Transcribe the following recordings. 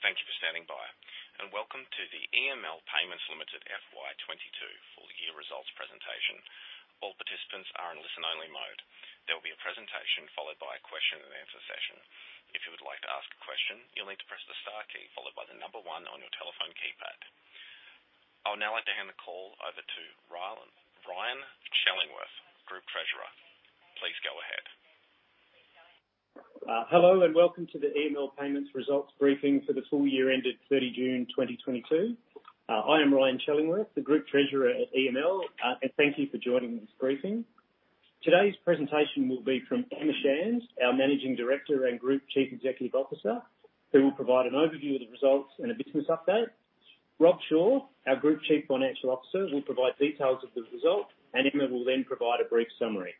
Thank you for standing by and welcome to the EML Payments Limited FY 2022 full year results presentation. All participants are in listen-only mode. There will be a presentation followed by a question-and-answer session. If you would like to ask a question, you'll need to press the star key followed by the number one on your telephone keypad. I would now like to hand the call over to Ryan Chellingworth, Group Treasurer. Please go ahead. Hello and welcome to the EML Payments results briefing for the full year ended 30 June 2022. I am Ryan Chellingworth, the Group Treasurer at EML. Thank you for joining this briefing. Today's presentation will be from Emma Shand, our Managing Director and Group Chief Executive Officer, who will provide an overview of the results and a business update. Rob Shore, our Group Chief Financial Officer, will provide details of the result and Emma will then provide a brief summary.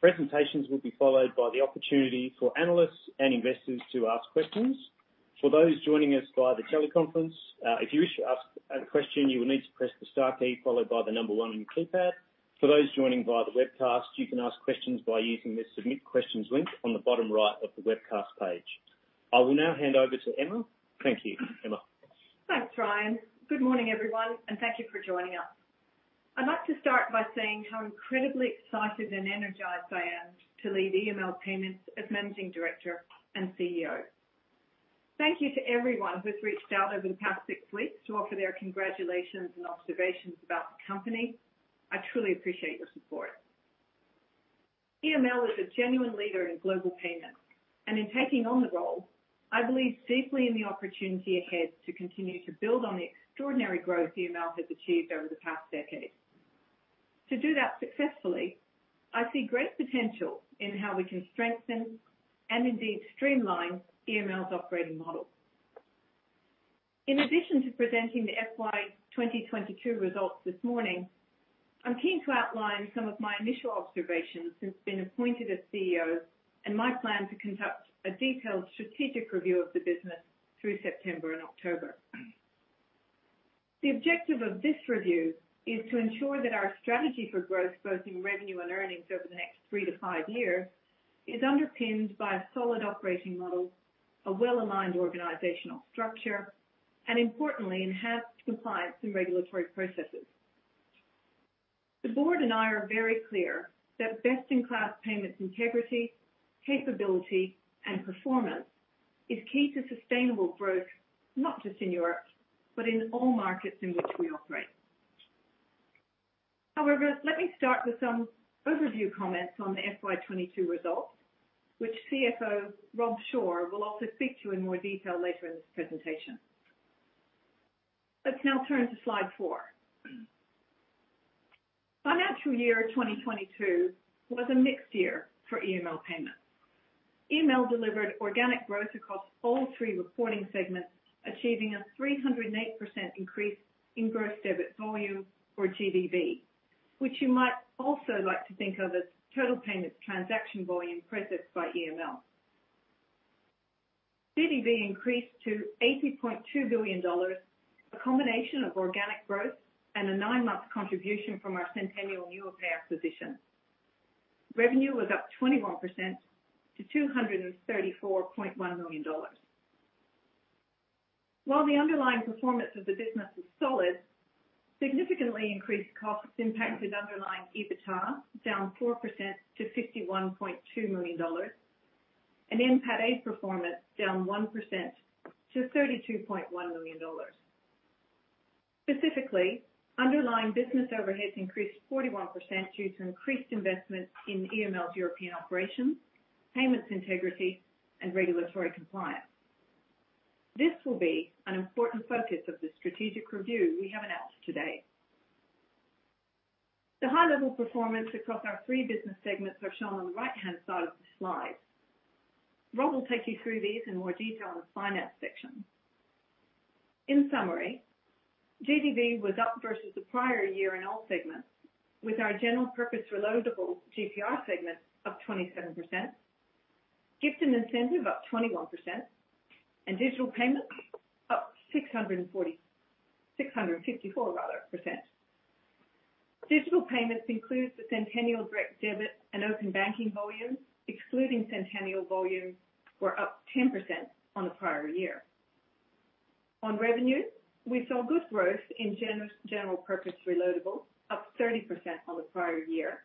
Presentations will be followed by the opportunity for analysts and investors to ask questions. For those joining us via the teleconference, if you wish to ask a question, you will need to press the star key followed by the number one on your keypad. For those joining via the webcast, you can ask questions by using the Submit Questions link on the bottom right of the webcast page. I will now hand over to Emma. Thank you. Emma. Thanks, Ryan. Good morning, everyone and thank you for joining us. I'd like to start by saying how incredibly excited and energized I am to lead EML Payments as Managing Director and CEO. Thank you to everyone who has reached out over the past six weeks to offer their congratulations and observations about the company. I truly appreciate your support. EML is a genuine leader in global payments and in taking on the role, I believe deeply in the opportunity ahead to continue to build on the extraordinary growth EML has achieved over the past decade. To do that successfully, I see great potential in how we can strengthen and indeed streamline, EML's operating model. In addition to presenting the FY 2022 results this morning, I'm keen to outline some of my initial observations since being appointed as CEO and my plan to conduct a detailed strategic review of the business through September and October. The objective of this review is to ensure that our strategy for growth, both in revenue and earnings over the next three to five years, is underpinned by a solid operating model, a well-aligned organizational structure and importantly, enhanced compliance and regulatory processes. The board and I are very clear that best-in-class payments integrity, capability and performance is key to sustainable growth, not just in Europe but in all markets in which we operate. However, let me start with some overview comments on the FY 2022 results, which CFO Rob Shore will also speak to in more detail later in this presentation. Let's now turn to slide four. Financial year 2022 was a mixed year for EML Payments. EML delivered organic growth across all three reporting segments, achieving a 308% increase in gross debit volume or GDV, which you might also like to think of as total payments transaction volume processed by EML. GDV increased to 80.2 billion dollars, a combination of organic growth and a 9-month contribution from our Sentenial Europe acquisition. Revenue was up 21% to 234.1 million dollars. While the underlying performance of the business was solid, significantly increased costs impacted underlying EBITDA, down 4% to 51.2 million dollars and NPATA performance down 1% to 32.1 million dollars. Specifically, underlying business overheads increased 41% due to increased investment in EML's European operations, payments integrity and regulatory compliance. This will be an important focus of the strategic review we have announced today. The high-level performance across our three business segments are shown on the right-hand side of the slide. Rob will take you through these in more detail in the finance section. In summary, GDV was up versus the prior year in all segments with our general purpose reloadable, GPR segment, up 27%, gift and incentive up 21% and digital payments up six hundred and fifty-four rather, 654%. Digital payments includes the Sentenial direct debit and open banking volumes, excluding Sentenial volumes were up 10% on the prior year. On revenue, we saw good growth in general purpose reloadable, up 30% on the prior year,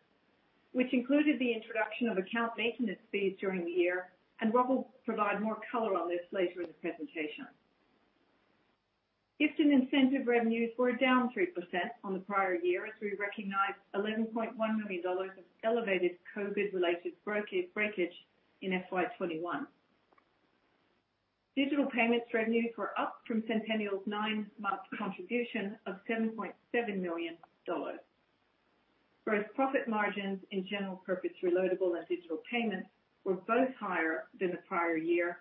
which included the introduction of account maintenance fees during the year and Rob will provide more color on this later in the presentation. Gift and incentive revenues were down 3% on the prior year, as we recognized 11.1 million dollars of elevated COVID-related breakage in FY21. Digital payments revenues were up from Sentenial's nine-month contribution of 7.7 million dollars. Gross profit margins in general purpose reloadable and digital payments were both higher than the prior year,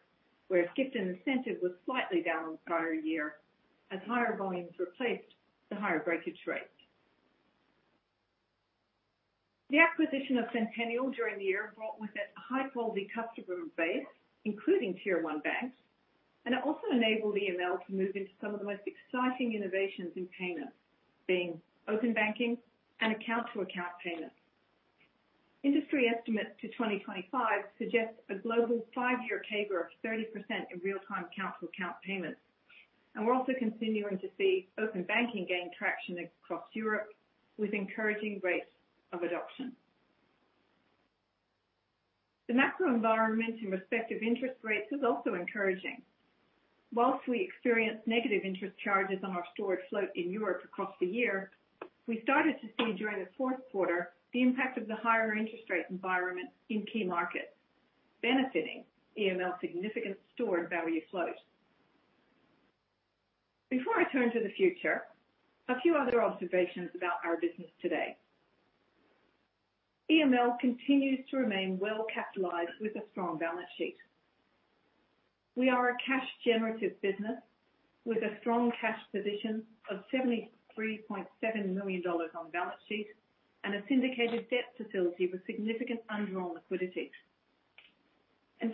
whereas gift and incentive was slightly down on the prior year as higher volumes replaced the higher breakage rate. The acquisition of Sentenial during the year brought with it a high-quality customer base, including tier-one banks and it also enabled EML to move into some of the most exciting innovations in payments, being open banking and account-to-account payments. Industry estimates to 2025 suggest a global five-year CAGR of 30% in real-time account-to-account payments. We're also continuing to see open banking gain traction across Europe with encouraging rates of adoption. The macro environment in respect of interest rates is also encouraging. While we experienced negative interest charges on our stored float in Europe across the year, we started to see during the fourth quarter, the impact of the higher interest rate environment in key markets, benefiting EML's significant stored value float. Before I turn to the future, a few other observations about our business today. EML continues to remain well capitalized with a strong balance sheet. We are a cash-generative business with a strong cash position of 73.7 million dollars on the balance sheet and a syndicated debt facility with significant undrawn liquidity.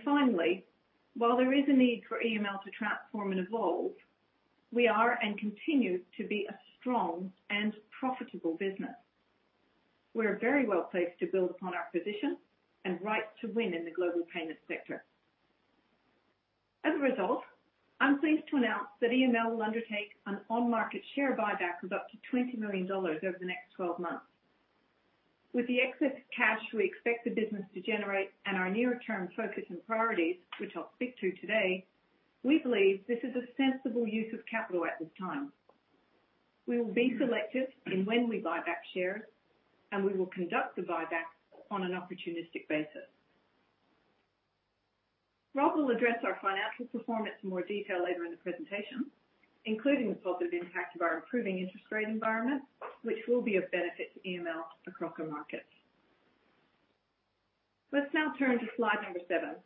Finally, while there is a need for EML to transform and evolve, we are and continue to be a strong and profitable business. We're very well placed to build upon our position and right to win in the global payment sector. As a result, I'm pleased to announce that EML will undertake an on-market share buyback of up to 20 million dollars over the next 12 months. With the excess cash we expect the business to generate and our near-term focus and priorities, which I'll speak to today, we believe this is a sensible use of capital at this time. We will be selective in when we buy back shares and we will conduct the buyback on an opportunistic basis. Rob will address our financial performance in more detail later in the presentation, including the positive impact of our improving interest rate environment, which will be of benefit to EML across our markets. Let's now turn to slide number seven.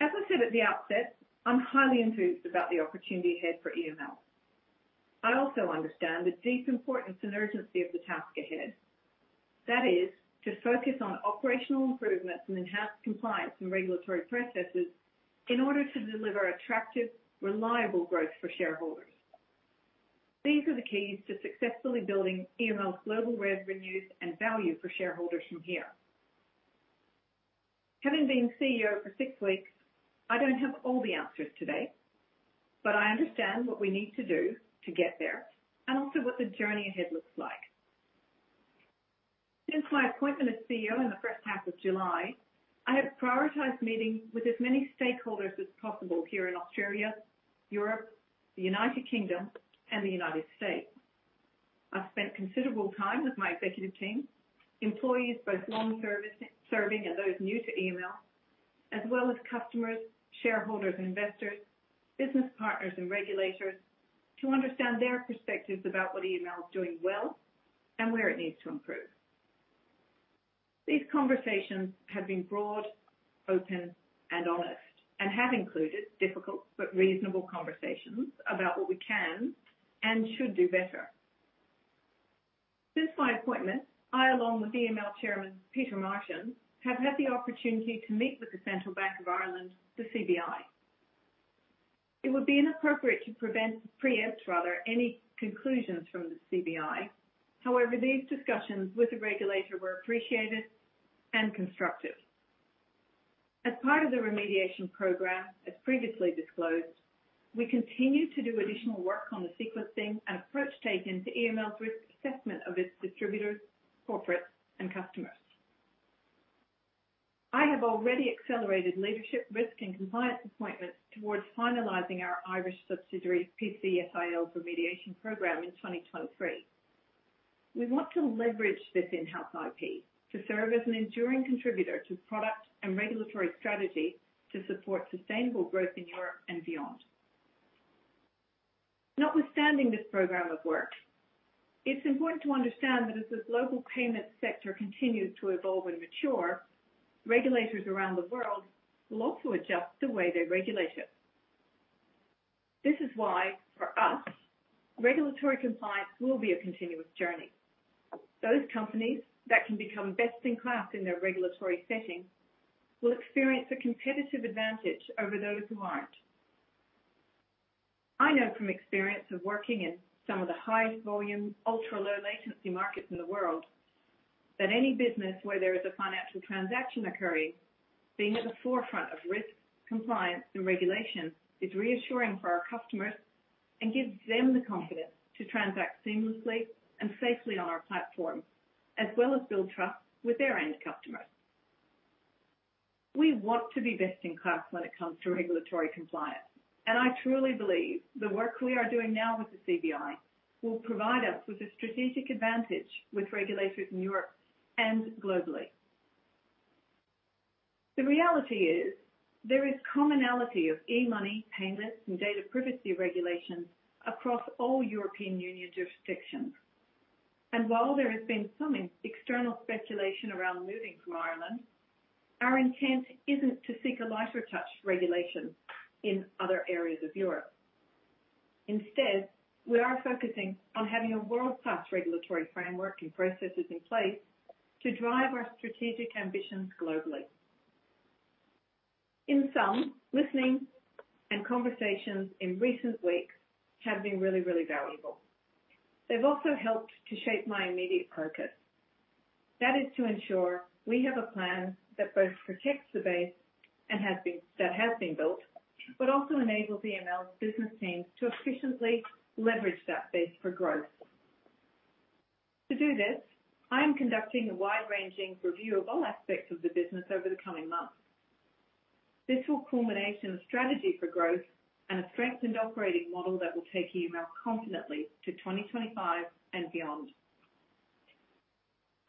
As I said at the outset, I'm highly enthused about the opportunity ahead for EML. I also understand the deep importance and urgency of the task ahead. That is, to focus on operational improvements and enhance compliance and regulatory processes in order to deliver attractive, reliable growth for shareholders. These are the keys to successfully building EML's global revenues and value for shareholders from here. Having been CEO for six weeks, I don't have all the answers today but I understand what we need to do to get there and also what the journey ahead looks like. Since my appointment as CEO in the first half of July, I have prioritized meetings with as many stakeholders as possible here in Australia, Europe, the United Kingdom and the United States. I've spent considerable time with my executive team, employees, both long service, serving and those new to EML, as well as customers, shareholders, investors, business partners and regulators to understand their perspectives about what EML is doing well and where it needs to improve. These conversations have been broad, open and honest and have included difficult but reasonable conversations about what we can and should do better. Since my appointment, I, along with EML Chairman Peter Martin, have had the opportunity to meet with the Central Bank of Ireland, the CBI. It would be inappropriate to preempt, rather, any conclusions from the CBI. However, these discussions with the regulator were appreciated and constructive. As part of the remediation program, as previously disclosed, we continue to do additional work on the sequencing and approach taken to EML's risk assessment of its distributors, corporates and customers. I have already accelerated leadership, risk and compliance appointments towards finalizing our Irish subsidiary's PCSIL remediation program in 2023. We want to leverage this in-house IP to serve as an enduring contributor to product and regulatory strategy to support sustainable growth in Europe and beyond. Notwithstanding this program of work, it's important to understand that as this global payment sector continues to evolve and mature, regulators around the world will also adjust the way they regulate it. This is why, for us, regulatory compliance will be a continuous journey. Those companies that can become best in class in their regulatory setting will experience a competitive advantage over those who aren't. I know from experience of working in some of the highest volume, ultra-low latency markets in the world, that any business where there is a financial transaction occurring, being at the forefront of risk, compliance and regulation is reassuring for our customers and gives them the confidence to transact seamlessly and safely on our platform, as well as build trust with their end customers. We want to be best in class when it comes to regulatory compliance and I truly believe the work we are doing now with the CBI will provide us with a strategic advantage with regulators in Europe and globally. The reality is there is commonality of e-money, payments and data privacy regulations across all European Union jurisdictions. While there has been some external speculation around moving from Ireland, our intent isn't to seek a lighter touch regulation in other areas of Europe. Instead, we are focusing on having a world-class regulatory framework and processes in place to drive our strategic ambitions globally. In sum, listening and conversations in recent weeks have been really, really valuable. They've also helped to shape my immediate focus. That is to ensure we have a plan that both protects the base and that has been built but also enables EML's business teams to efficiently leverage that base for growth. To do this, I am conducting a wide-ranging review of all aspects of the business over the coming months. This will culminate in a strategy for growth and a strengthened operating model that will take EML confidently to 2025 and beyond.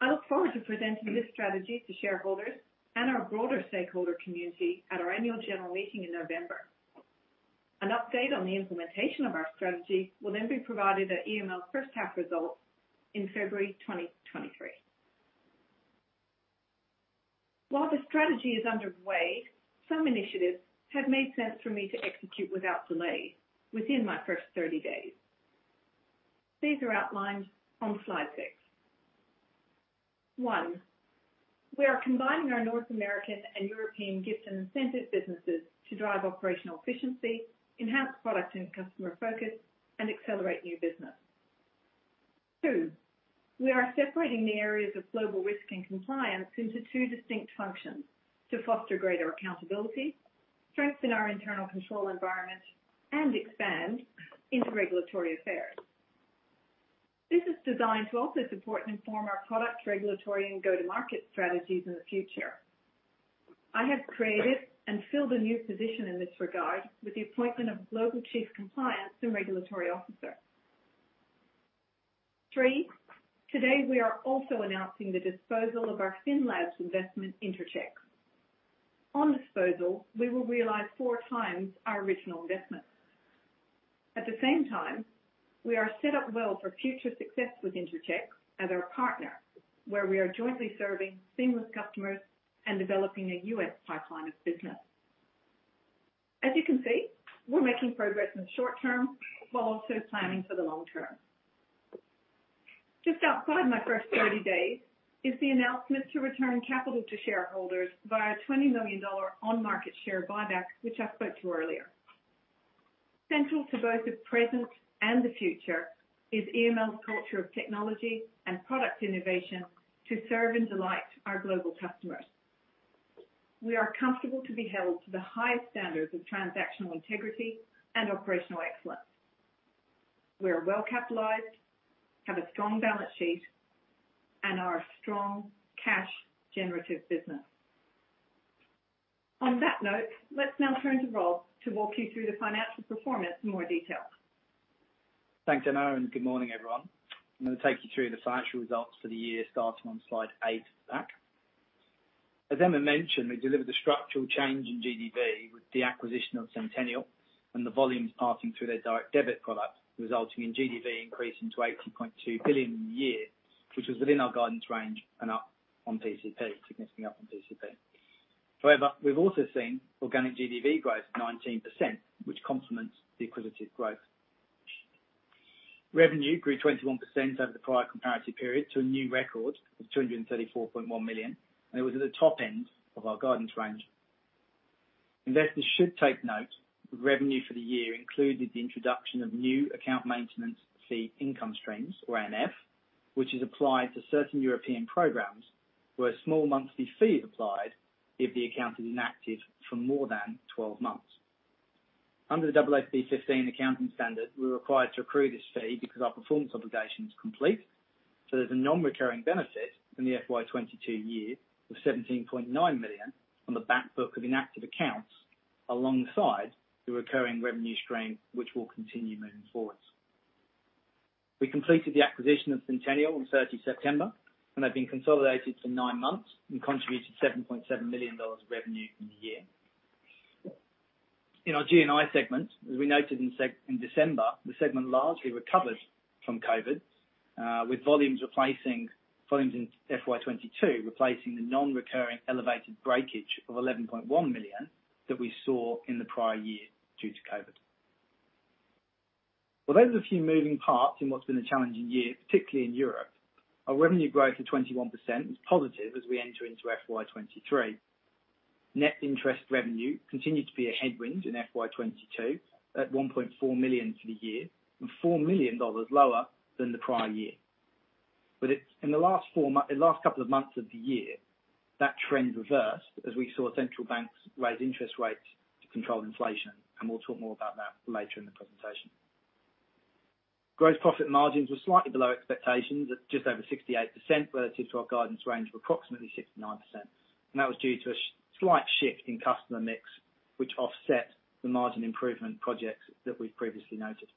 I look forward to presenting this strategy to shareholders and our broader stakeholder community at our annual general meeting in November. An update on the implementation of our strategy will then be provided at EML's first half results in February 2023. While the strategy is underway, some initiatives have made sense for me to execute without delay within my first 30 days. These are outlined on slide six. One, we are combining our North American and European gifts and incentive businesses to drive operational efficiency, enhance product and customer focus and accelerate new business. Two, we are separating the areas of global risk and compliance into two distinct functions to foster greater accountability, strengthen our internal control environment and expand into regulatory affairs. This is designed to also support and inform our product regulatory and go-to-market strategies in the future. I have created and filled a new position in this regard with the appointment of global chief compliance and regulatory officer. Three, today we are also announcing the disposal of our FinLabs investment, Interchecks. On disposal, we will realize 4x our original investment. At the same time, we are set up well for future success with Interchecks as our partner, where we are jointly serving seamless customers and developing a U.S. pipeline of business. As you can see, we're making progress in the short term while also planning for the long term. Just outside my first 30 days is the announcement to return capital to shareholders via a 20 million dollar on-market share buyback, which I spoke to earlier. Central to both the present and the future is EML's culture of technology and product innovation to serve and delight our global customers. We are comfortable to be held to the highest standards of transactional integrity and operational excellence. We are well-capitalized, have a strong balance sheet and are a strong cash generative business. On that note, let's now turn to Rob to walk you through the financial performance in more detail. Thanks, Emma and good morning, everyone. I'm gonna take you through the financial results for the year starting on slide 8 back. As Emma mentioned, we delivered a structural change in GDV with the acquisition of Sentenial and the volumes passing through their direct debit product, resulting in GDV increasing to 80.2 billion in the year, which was within our guidance range and up on PCP, significantly up on PCP. However, we've also seen organic GDV growth of 19%, which complements the acquisitive growth. Revenue grew 21% over the prior comparative period to a new record of 234.1 million and it was at the top end of our guidance range. Investors should take note, revenue for the year included the introduction of new account maintenance fee income stream or AMF, which is applied to certain European programs, where a small monthly fee is applied if the account is inactive for more than 12 months. Under the AASB 15 accounting standard, we're required to accrue this fee because our performance obligation is complete. There's a non-recurring benefit in the FY 2022 year of 17.9 million on the back book of inactive accounts alongside the recurring revenue stream, which will continue moving forward. We completed the acquisition of Sentenial on 30 September and they've been consolidated for nine months and contributed 7.7 million dollars of revenue from the year. In our G&I segment, as we noted in December, the segment largely recovered from COVID with volumes in FY 2022 replacing the non-recurring elevated breakage of 11.1 million that we saw in the prior year due to COVID. Well, there's a few moving parts in what's been a challenging year, particularly in Europe. Our revenue growth of 21% is positive as we enter into FY 2023. Net interest revenue continued to be a headwind in FY 2022 at 1.4 million for the year and 4 million dollars lower than the prior year. In the last couple of months of the year, that trend reversed as we saw central banks raise interest rates to control inflation and we'll talk more about that later in the presentation. Gross profit margins were slightly below expectations at just over 68% relative to our guidance range of approximately 69%. That was due to a slight shift in customer mix, which offset the margin improvement projects that we've previously noted.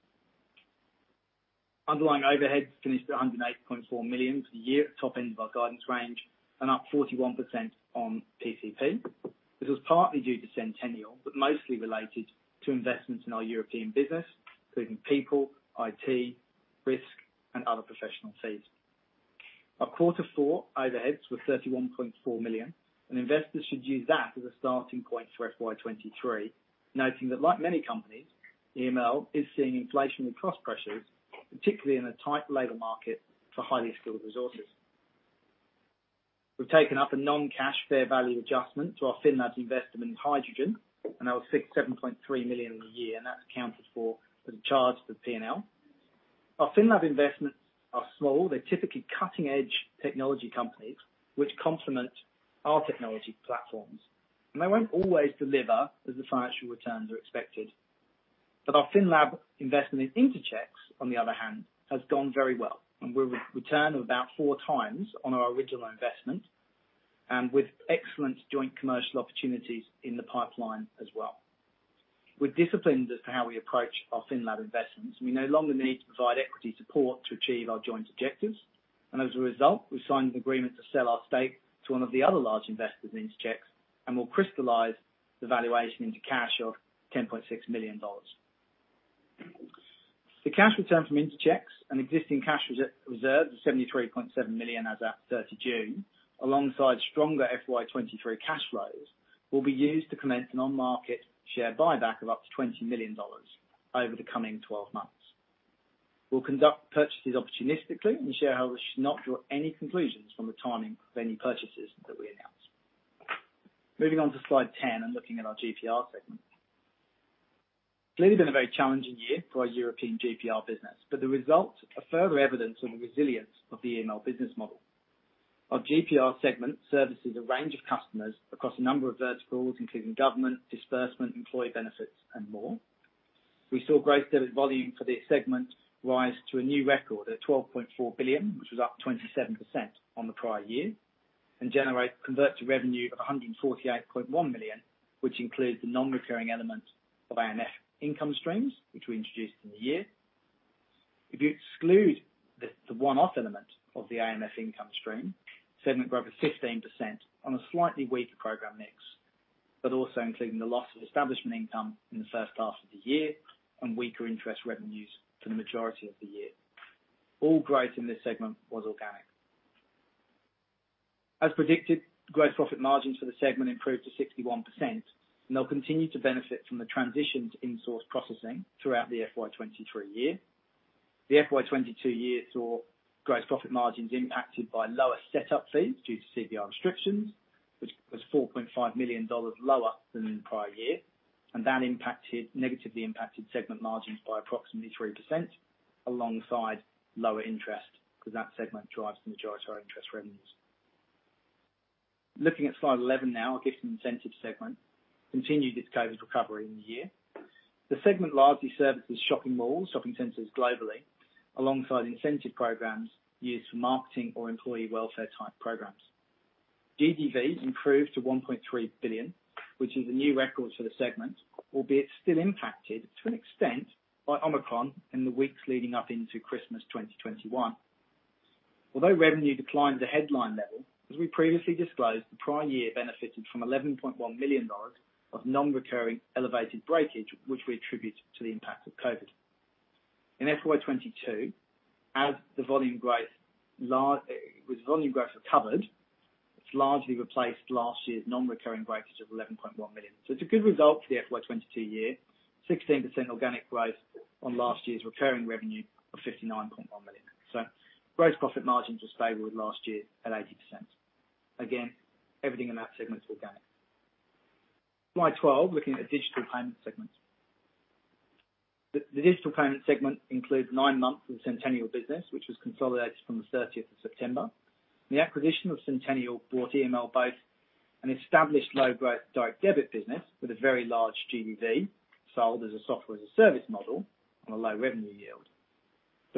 Underlying overheads finished at 108.4 million for the year at top end of our guidance range and up 41% on PCP. This was partly due to Sentenial but mostly related to investments in our European business, including people, IT, risk and other professional fees. Our quarter four overheads were 31.4 million and investors should use that as a starting point for FY 2023. Noting that like many companies, EML is seeing inflationary cost pressures, particularly in a tight labor market for highly skilled resources. We've taken up a non-cash fair value adjustment to our FinLab investment in Hydrogen and that was 7.3 million in the year and that's accounted for as a charge to the P&L. Our FinLab investments are small. They're typically cutting-edge technology companies which complement our technology platforms and they won't always deliver as the financial returns are expected. Our FinLab investment in Interchecks, on the other hand, has gone very well and with a return of about four times on our original investment and with excellent joint commercial opportunities in the pipeline as well. We're disciplined as to how we approach our FinLab investments and we no longer need to provide equity support to achieve our joint objectives. As a result, we've signed an agreement to sell our stake to one of the other large investors in Interchecks and we'll crystallize the valuation into cash of 10.6 million dollars. The cash return from Interchecks and existing cash reserve of 73.7 million as at 30 June, alongside stronger FY 2023 cash flows, will be used to commence an on-market share buyback of up to 20 million dollars over the coming 12 months. We'll conduct purchases opportunistically and shareholders should not draw any conclusions from the timing of any purchases that we announce. Moving on to slide 10 and looking at our GPR segment. Clearly been a very challenging year for our European GPR business but the results are further evidence of the resilience of the EML business model. Our GPR segment services a range of customers across a number of verticals, including government, disbursement, employee benefits and more. We saw gross debit volume for this segment rise to a new record at 12.4 billion, which was up 27% on the prior year and convert to revenue of 148.1 million, which includes the non-recurring element of AMF income streams, which we introduced in the year. If you exclude the one-off element of the AMF income stream, segment growth of 15% on a slightly weaker program mix but also including the loss of establishment income in the first half of the year and weaker interest revenues for the majority of the year. All growth in this segment was organic. As predicted, gross profit margins for the segment improved to 61% and they'll continue to benefit from the transition to in-source processing throughout the FY 2023. The FY 2022 saw gross profit margins impacted by lower setup fees due to CBI restrictions, which was 4.5 million dollars lower than in prior year. That negatively impacted segment margins by approximately 3% alongside lower interest, because that segment drives the majority of our interest revenues. Looking at slide 11 now, our gifts and incentives segment continued its COVID recovery in the year. The segment largely services shopping malls, shopping centers globally, alongside incentive programs used for marketing or employee welfare type programs. GDV improved to 1.3 billion, which is a new record for the segment, albeit still impacted to an extent by Omicron in the weeks leading up into Christmas 2021. Although revenue declined at a headline level, as we previously disclosed, the prior year benefited from 11.1 million dollars of non-recurring elevated breakage, which we attribute to the impact of COVID. In FY 2022, with volume growth recovered, it's largely replaced last year's non-recurring breakage of 11.1 million. It's a good result for the FY 2022, 16% organic growth on last year's recurring revenue of 59.1 million. Gross profit margins were stable with last year at 80%. Again, everything in that segment is organic. Slide 12, looking at the digital payment segment. The digital payment segment includes nine months of the Sentenial business, which was consolidated from the 30 September. The acquisition of Sentenial brought EML both an established low-growth direct debit business with a very large GDV, sold as a software-as-a-service model on a low revenue yield.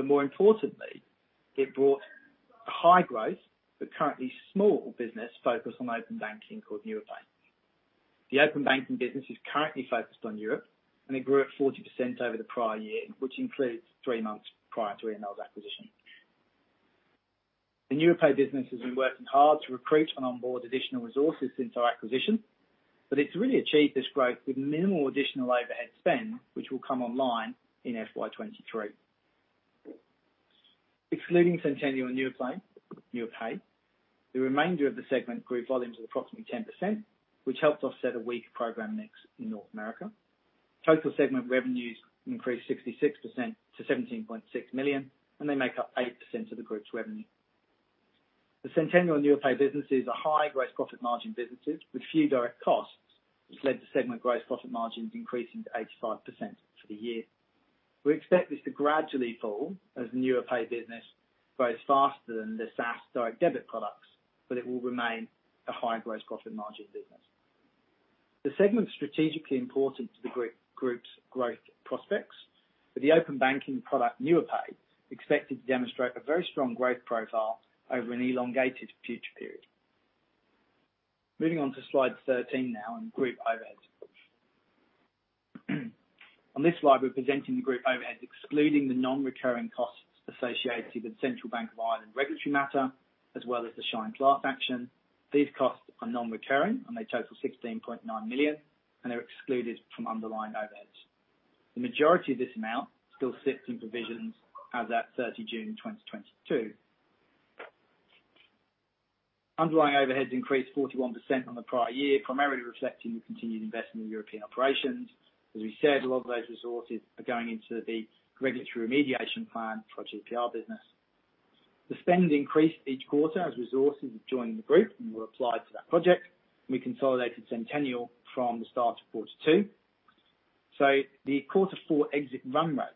More importantly, it brought a high growth but currently small business focused on open banking called Nuapay. The open banking business is currently focused on Europe and it grew at 40% over the prior year, which includes three months prior to EML's acquisition. The Nuapay business has been working hard to recruit and onboard additional resources since our acquisition but it's really achieved this growth with minimal additional overhead spend, which will come online in FY 2023. Excluding Sentenial and Nuapay, the remainder of the segment grew volumes of approximately 10%, which helped offset a weak program mix in North America. Total segment revenues increased 66% to 17.6 million and they make up 8% of the group's revenue. The Sentenial and Nuapay businesses are high gross profit margin businesses with few direct costs, which led to segment gross profit margins increasing to 85% for the year. We expect this to gradually fall as Nuapay business grows faster than the SaaS direct debit products but it will remain a high gross profit margin business. The segment's strategically important to the group's growth prospects, with the open banking product, Nuapay, expected to demonstrate a very strong growth profile over an elongated future period. Moving on to slide 13 now on group overheads. On this slide, we're presenting the group overheads excluding the non-recurring costs associated with Central Bank of Ireland regulatory matter as well as the Shine class action. These costs are non-recurring and they total 16.9 million and they're excluded from underlying overheads. The majority of this amount still sits in provisions as at 30 June 2022. Underlying overheads increased 41% on the prior year, primarily reflecting the continued investment in European operations. As we said, a lot of those resources are going into the regulatory remediation plan for our GPR business. The spend increased each quarter as resources joined the group and were applied to that project. We consolidated Sentenial from the start of quarter two. The quarter four exit run rate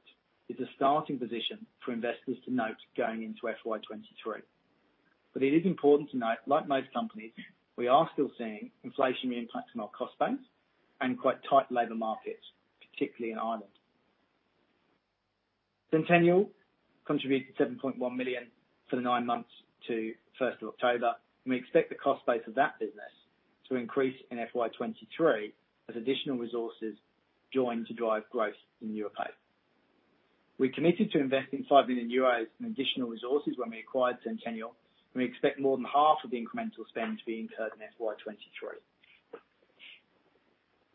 is a starting position for investors to note going into FY 2023. It is important to note, like most companies, we are still seeing inflationary impact on our cost base and quite tight labor markets, particularly in Ireland. Sentenial contributed 7.1 million for the nine months to 1 October and we expect the cost base of that business to increase in FY 2023 as additional resources join to drive growth in Europe. We committed to invest in 5 million euros in additional resources when we acquired Sentenial and we expect more than half of the incremental spend to be incurred in FY 2023.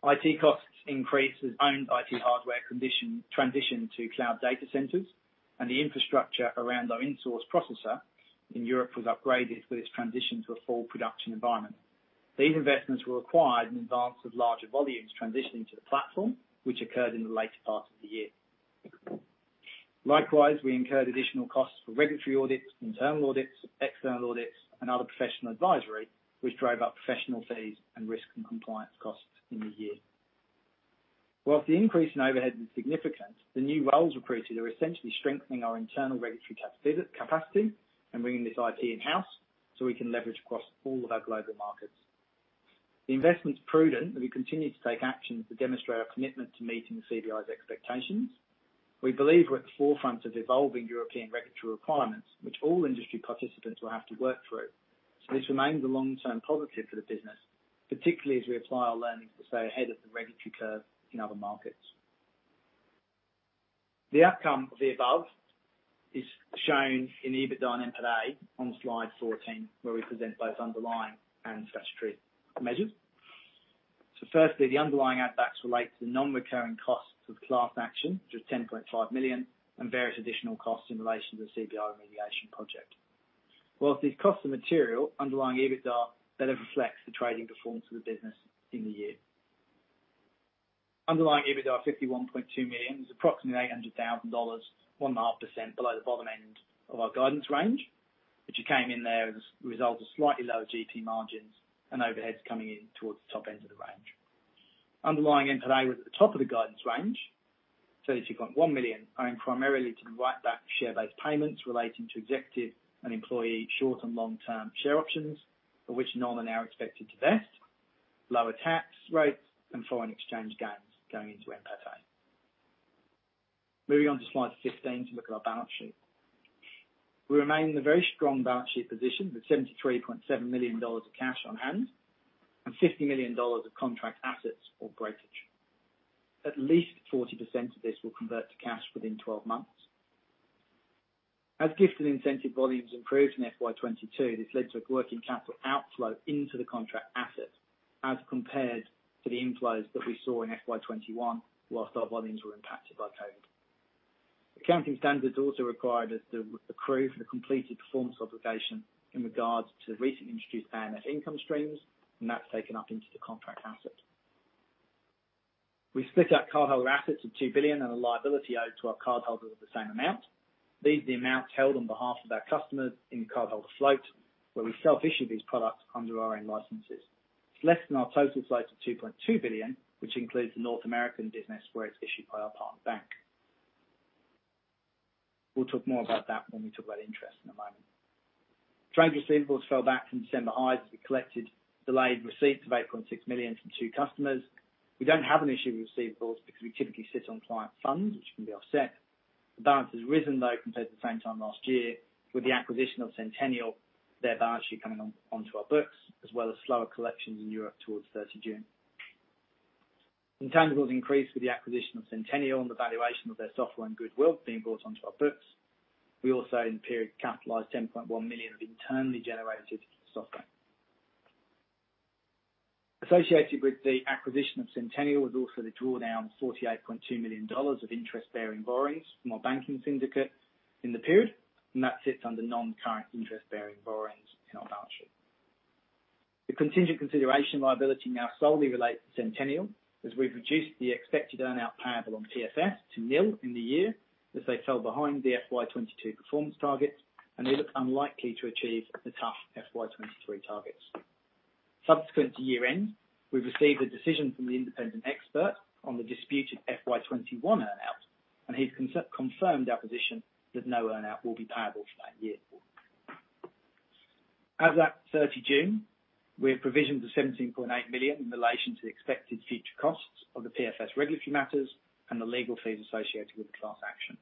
IT costs increased as owned IT hardware transitioned to cloud data centers and the infrastructure around our in-source processor in Europe was upgraded with its transition to a full production environment. These investments were made in advance of larger volumes transitioning to the platform, which occurred in the later part of the year. Likewise, we incurred additional costs for regulatory audits, internal audits, external audits and other professional advisory, which drove up professional fees and risk and compliance costs in the year. While the increase in overheads is significant, the new roles recruited are essentially strengthening our internal regulatory capacity and bringing this IT in-house so we can leverage across all of our global markets. The investment's prudent but we continue to take actions that demonstrate our commitment to meeting the CBI's expectations. We believe we're at the forefront of evolving European regulatory requirements, which all industry participants will have to work through, so this remains a long-term positive for the business, particularly as we apply our learnings to stay ahead of the regulatory curve in other markets. The outcome of the above is shown in EBITDA and NPAT on Slide 14, where we present both underlying and statutory measures. Firstly, the underlying outflows relate to the non-recurring costs of class action, which was 10.5 million and various additional costs in relation to the CBI remediation project. While these costs are material, underlying EBITDA better reflects the trading performance of the business in the year. Underlying EBITDA of AUD 51.2 million was approximately AUD 800,000, 1.5% below the bottom end of our guidance range, which came in there as a result of slightly lower GP margins and overheads coming in towards the top end of the range. Underlying NPAT was at the top of the guidance range, 32.1 million owing primarily to the write back of share-based payments relating to executive and employee short and long-term share options, of which none are now expected to vest, lower tax rates and foreign exchange gains going into NPAT. Moving on to Slide 15 to look at our balance sheet. We remain in a very strong balance sheet position with 73.7 million dollars of cash on hand and 50 million dollars of contract assets or brokerage. At least 40% of this will convert to cash within 12 months. As gifted incentive volumes improved in FY 2022, this led to a working capital outflow into the contract assets as compared to the inflows that we saw in FY 2021 while our volumes were impacted by COVID. Accounting standards also required us to accrue for the completed performance obligation in regards to recent industry standard income streams and that's taken up into the contract assets. We split out cardholder assets of 2 billion and a liability owed to our cardholders of the same amount. These are the amounts held on behalf of our customers in cardholder float, where we self-issue these products under our own licenses. It's less than our total size of 2.2 billion, which includes the North American business where it's issued by our partner bank. We'll talk more about that when we talk about interest in a moment. Trade receivables fell back from December highs as we collected delayed receipts of 8.6 million from two customers. We don't have an issue with receivables because we typically sit on client funds which can be offset. The balance has risen, though, compared to the same time last year with the acquisition of Sentenial, their balance sheet coming onto our books, as well as slower collections in Europe towards 30 June. Intangibles increased with the acquisition of Sentenial and the valuation of their software and goodwill being brought onto our books. We also in the period capitalized 10.1 million of internally generated software. Associated with the acquisition of Sentenial was also the drawdown of $48.2 million of interest-bearing borrowings from our banking syndicate in the period and that sits under non-current interest-bearing borrowings in our balance sheet. The contingent consideration liability now solely relates to Sentenial, as we've reduced the expected earn-out payable on PFS to nil in the year, as they fell behind the FY 2022 performance targets and they look unlikely to achieve the tough FY 2023 targets. Subsequent to year-end, we've received a decision from the independent expert on the disputed FY 2021 earn-out and he's confirmed our position that no earn-out will be payable for that year before. As at 30 June, we have provisioned for 17.8 million in relation to the expected future costs of the PFS regulatory matters and the legal fees associated with the class action.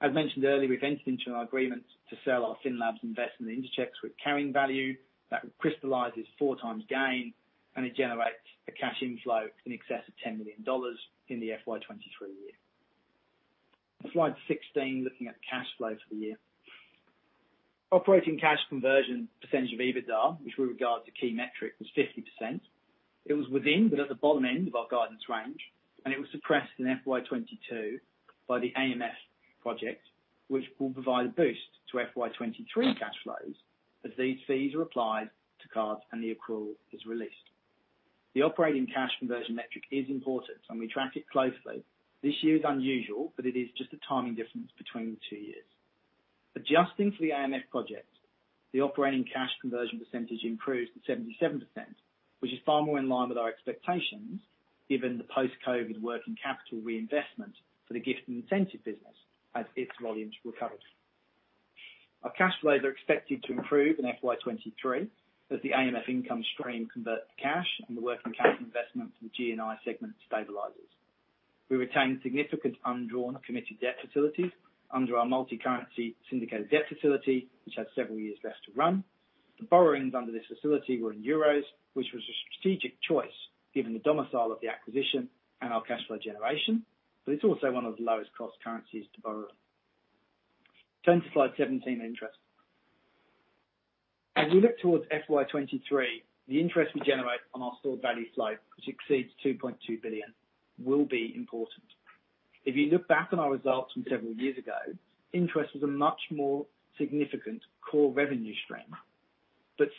As mentioned earlier, we've entered into an agreement to sell our FinLabs investment in Interchecks with carrying value that crystallizes 4x gain and it generates a cash inflow in excess of 10 million dollars in the FY23 year. Slide 16, looking at cash flow for the year. Operating cash conversion percentage of EBITDA, which we regard as a key metric, was 50%. It was within but at the bottom end of our guidance range and it was suppressed in FY 2022 by the AMF project, which will provide a boost to FY 2023 cash flows as these fees are applied to cards and the accrual is released. The operating cash conversion metric is important and we track it closely. This year is unusual but it is just a timing difference between the two years. Adjusting for the AMF project, the operating cash conversion percentage improves to 77%, which is far more in line with our expectations, given the post-COVID working capital reinvestment for the gift and incentive business as its volumes recovered. Our cash flows are expected to improve in FY 2023 as the AMF income stream converts to cash and the working capital investment for the GNI segment stabilizes. We retain significant undrawn committed debt facilities under our multi-currency syndicated debt facility, which has several years left to run. The borrowings under this facility were in euros, which was a strategic choice given the domicile of the acquisition and our cash flow generation but it's also one of the lowest cost currencies to borrow. Turn to slide 17 on interest. As we look towards FY 2023, the interest we generate on our stored value flow, which exceeds 2.2 billion, will be important. If you look back on our results from several years ago, interest was a much more significant core revenue stream.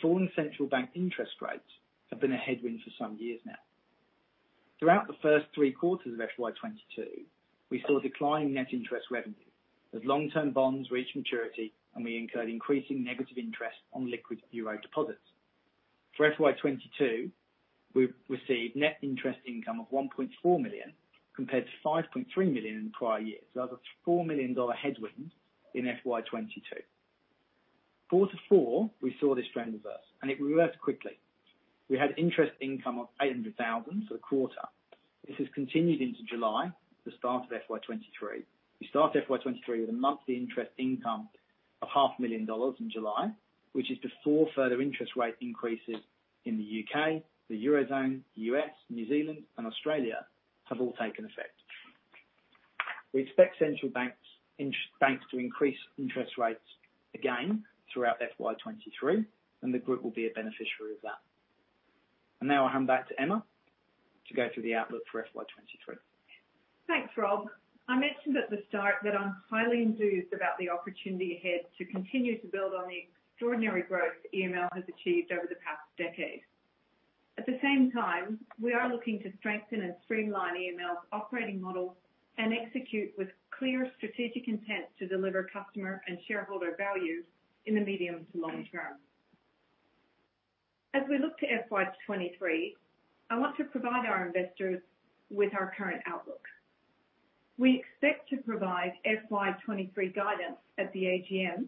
Falling central bank interest rates have been a headwind for some years now. Throughout the first three quarters of FY 2022, we saw a decline in net interest revenue as long-term bonds reached maturity and we incurred increasing negative interest on liquid euro deposits. For FY 2022, we've received net interest income of $1.4 million compared to $5.3 million in prior years. That was a $4 million headwind in FY 2022. Quarter 4, we saw this trend reverse and it reversed quickly. We had interest income of $800,000 for the quarter. This has continued into July, the start of FY 2023. We started FY 2023 with a monthly interest income of half a million dollars in July, which is before further interest rate increases in the U.K., the Eurozone, U.S., New Zealand and Australia have all taken effect. We expect central banks to increase interest rates again throughout FY 2023 and the group will be a beneficiary of that. Now I'll hand back to Emma to go through the outlook for FY 2023. Thanks, Rob. I mentioned at the start that I'm highly enthused about the opportunity ahead to continue to build on the extraordinary growth EML has achieved over the past decade. At the same time, we are looking to strengthen and streamline EML's operating model and execute with clear strategic intent to deliver customer and shareholder value in the medium to long term. As we look to FY 2023, I want to provide our investors with our current outlook. We expect to provide FY 2023 guidance at the AGM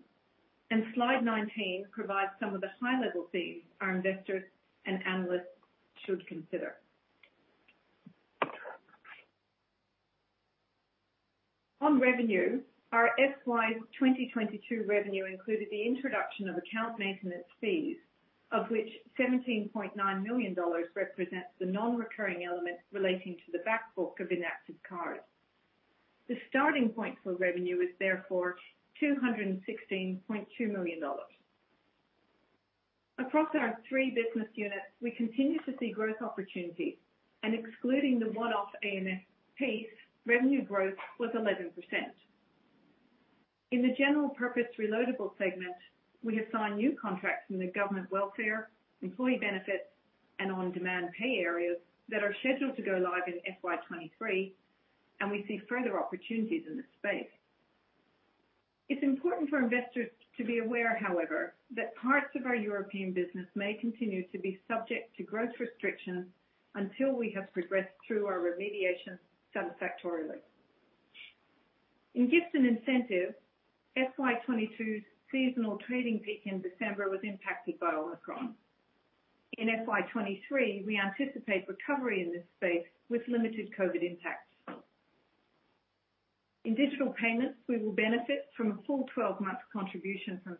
and slide 19 provides some of the high-level themes our investors and analysts should consider. On revenue, our FY 2022 revenue included the introduction of account maintenance fees, of which 17.9 million dollars represents the non-recurring element relating to the back book of inactive cards. The starting point for revenue is therefore 216.2 million dollars. Across our three business units, we continue to see growth opportunities. Excluding the one-off AMF piece, revenue growth was 11%. In the general purpose reloadable segment, we have signed new contracts in the government welfare, employee benefits and on-demand pay areas that are scheduled to go live in FY 2023 and we see further opportunities in this space. It's important for investors to be aware, however, that parts of our European business may continue to be subject to growth restrictions until we have progressed through our remediation satisfactorily. In Gifts and Incentives, FY 2022's seasonal trading peak in December was impacted by Omicron. In FY 2023, we anticipate recovery in this space with limited COVID impacts. In digital payments, we will benefit from a full 12 months contribution from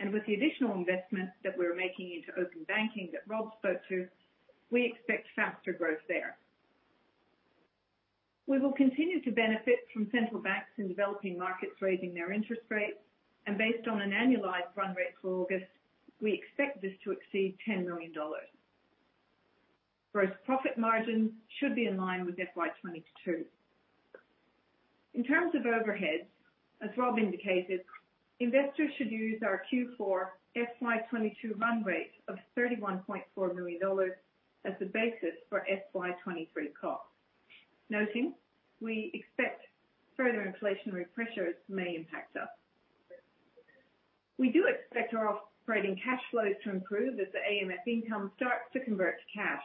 Sentenial. With the additional investment that we're making into open banking that Rob spoke to, we expect faster growth there. We will continue to benefit from central banks in developing markets raising their interest rates. Based on an annualized run rate for August, we expect this to exceed 10 million dollars. Gross profit margin should be in line with FY 2022. In terms of overheads, as Rob indicated, investors should use our Q4 FY 2022 run rate of 31.4 million dollars as the basis for FY 2023 costs. Noting we expect further inflationary pressures may impact us. We do expect our operating cash flows to improve as the AMF income starts to convert to cash.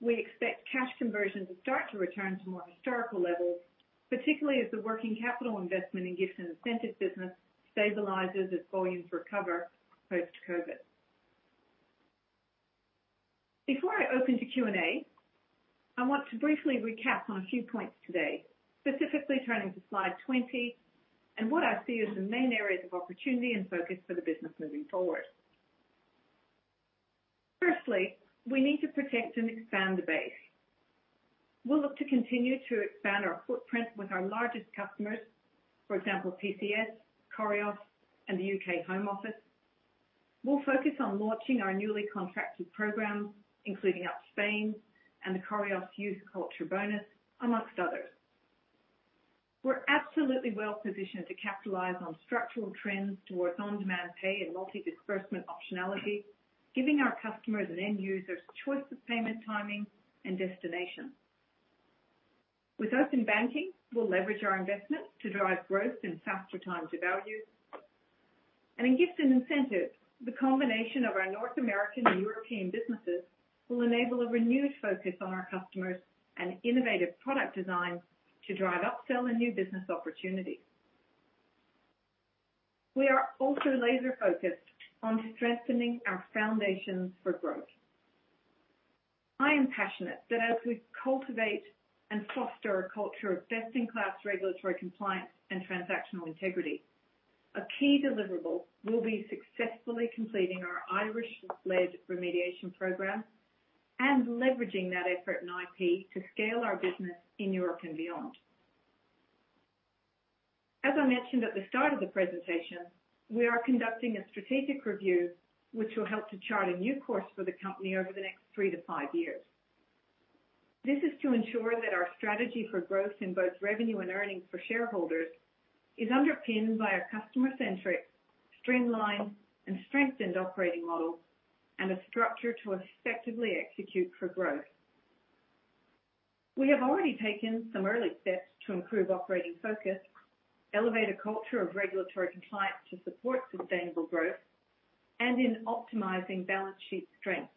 We expect cash conversion to start to return to more historical levels, particularly as the working capital investment in gifts and incentive business stabilizes as volumes recover post-COVID. Before I open to Q&A, I want to briefly recap on a few points today, specifically turning to slide 20 and what I see as the main areas of opportunity and focus for the business moving forward. Firstly, we need to protect and expand the base. We'll look to continue to expand our footprint with our largest customers. For example, PCSIL, Correos and the U.K. Home Office. We'll focus on launching our newly contracted programs, including Up Spain and the Bono Cultural Joven, among others. We're absolutely well-positioned to capitalize on structural trends towards on-demand pay and multi-disbursement optionality, giving our customers and end users choice of payment, timing and destination. With open banking, we'll leverage our investments to drive growth in faster time to value. In gifts and incentives, the combination of our North American and European businesses will enable a renewed focus on our customers and innovative product design to drive up-sell and new business opportunities. We are also laser-focused on strengthening our foundations for growth. I am passionate that as we cultivate and foster a culture of best-in-class regulatory compliance and transactional integrity, a key deliverable will be successfully completing our Irish-led remediation program and leveraging that effort and IP to scale our business in Europe and beyond. As I mentioned at the start of the presentation, we are conducting a strategic review which will help to chart a new course for the company over the next three-five years. This is to ensure that our strategy for growth in both revenue and earnings for shareholders is underpinned by a customer-centric, streamlined and strengthened operating model and a structure to effectively execute for growth. We have already taken some early steps to improve operating focus, elevate a culture of regulatory compliance to support sustainable growth and in optimizing balance sheet strength.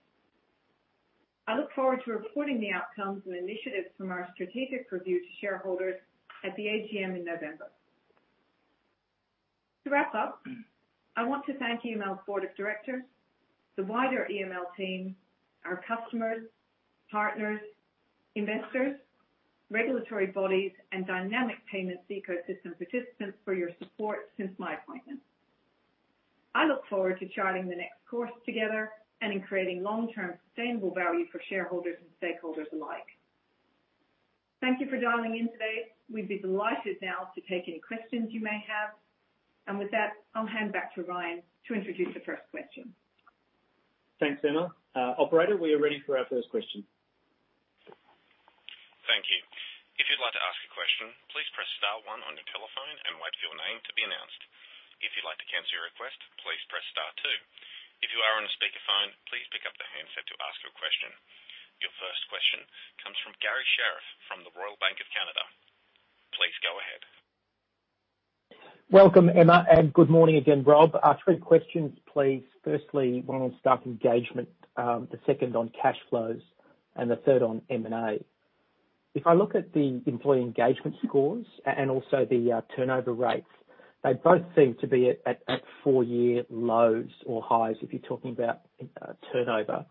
I look forward to reporting the outcomes and initiatives from our strategic review to shareholders at the AGM in November. To wrap up, I want to thank EML's board of directors, the wider EML team, our customers, partners, investors, regulatory bodies and dynamic payments ecosystem participants for your support since my appointment. I look forward to charting the next course together and in creating long-term sustainable value for shareholders and stakeholders alike. Thank you for dialing in today. We'd be delighted now to take any questions you may have. With that, I'll hand back to Ryan to introduce the first question. Thanks, Emma. Operator, we are ready for our first question. Thank you. If you'd like to ask a question, please press star one on your telephone and wait for your name to be announced. If you'd like to cancel your request, please press star two. If you are on a speakerphone, please pick up the handset to ask your question. Your first question comes from Garry Sherriff from the Royal Bank of Canada. Please go ahead. Welcome, Emma and good morning again, Rob. Three questions, please. Firstly, one on staff engagement, the second on cash flows and the third on M&A. If I look at the employee engagement scores and also the turnover rates, they both seem to be at four-year lows or highs, if you're talking about turnover.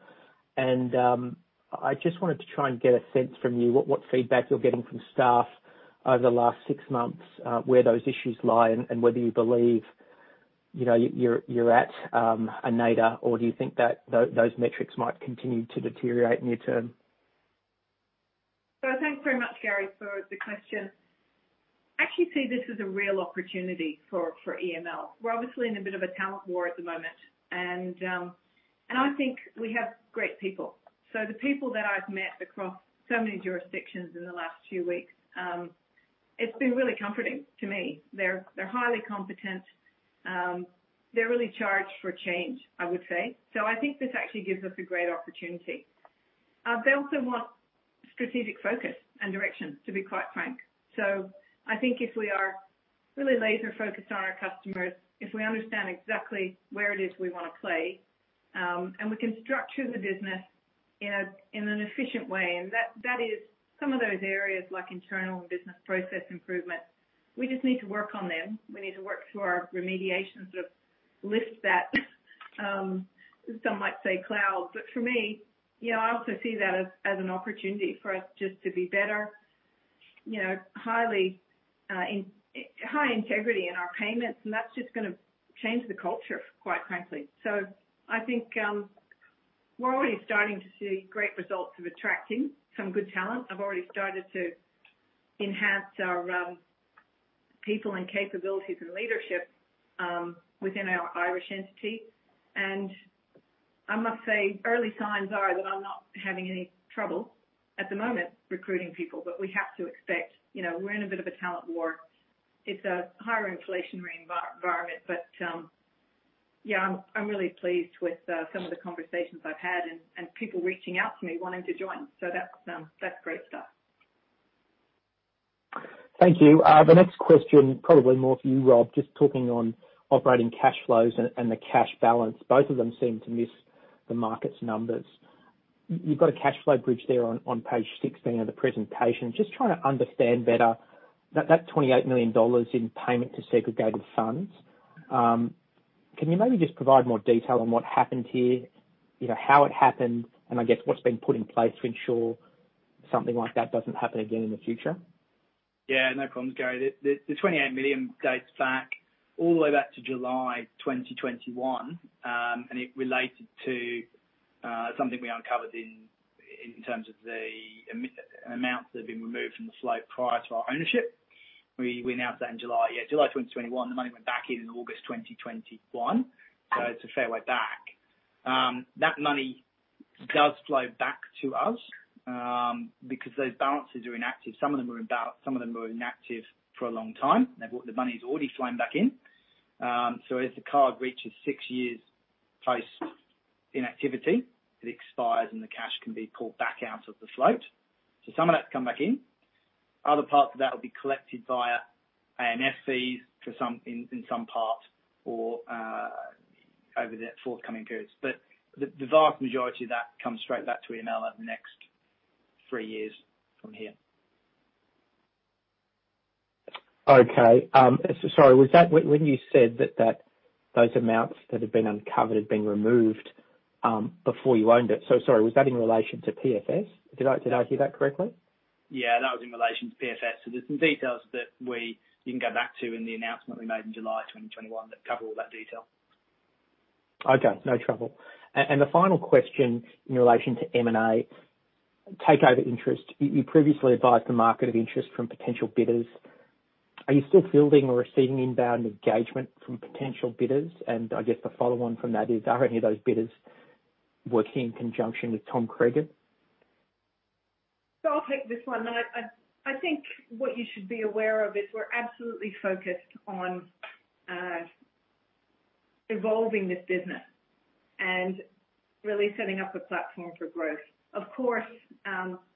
I just wanted to try and get a sense from you what feedback you're getting from staff over the last six months, where those issues lie and whether you believe, you know, you're at a nadir or do you think that those metrics might continue to deteriorate near term? Thanks very much, Gary, for the question. I actually see this as a real opportunity for EML. We're obviously in a bit of a talent war at the moment and I think we have great people. The people that I've met across so many jurisdictions in the last few weeks, it's been really comforting to me. They're highly competent. They're really charged for change, I would say. I think this actually gives us a great opportunity. They also want strategic focus and direction, to be quite frank. I think if we are really laser-focused on our customers, if we understand exactly where it is we wanna play and we can structure the business in an efficient way. That is some of those areas like internal and business process improvement. We just need to work on them. We need to work through our remediations of issues that some might say cloud. For me, you know, I also see that as an opportunity for us just to be better, you know, high integrity in our payments and that's just gonna change the culture, quite frankly. I think, we're already starting to see great results of attracting some good talent. I've already started to enhance our people and capabilities and leadership within our Irish entity. I must say, early signs are that I'm not having any trouble at the moment recruiting people but we have to expect, you know, we're in a bit of a talent war. It's a higher inflationary environment but yeah, I'm really pleased with some of the conversations I've had and people reaching out to me wanting to join. So that's great stuff. Thank you. The next question, probably more for you, Rob, just talking on operating cash flows and the cash balance. Both of them seem to miss the market's numbers. You've got a cash flow bridge there on page 16 of the presentation. Just trying to understand better that 28 million dollars in payment to segregated funds. Can you maybe just provide more detail on what happened here? You know, how it happened and I guess what's been put in place to ensure something like that doesn't happen again in the future. Yeah, no problems, Garry. The 28 million dates back all the way back to July 2021. It related to something we uncovered in terms of the amounts that have been removed from the float prior to our ownership. We announced that in July 2021. The money went back in in August 2021. It's a fair way back. That money does flow back to us because those balances are inactive. Some of them are inactive for a long time. They've brought the monies already flowing back in. If the card reaches six years post inactivity, it expires and the cash can be pulled back out of the float. Some of that's come back in. Other parts of that will be collected via AMFs in some part or over the forthcoming periods. The vast majority of that comes straight back to EML over the next three years from here. Okay. Sorry, was that when you said that those amounts that had been uncovered had been removed before you owned it. Sorry, was that in relation to PFS? Did I hear that correctly? Yeah, that was in relation to PFS. There's some details that you can go back to in the announcement we made in July 2021 that cover all that detail. Okay, no trouble. The final question in relation to M&A takeover interest. You previously advised the market of interest from potential bidders. Are you still fielding or receiving inbound engagement from potential bidders? I guess the follow on from that is, are any of those bidders working in conjunction with Tom Cregan? I'll take this one. I think what you should be aware of is we're absolutely focused on evolving this business and really setting up a platform for growth. Of course,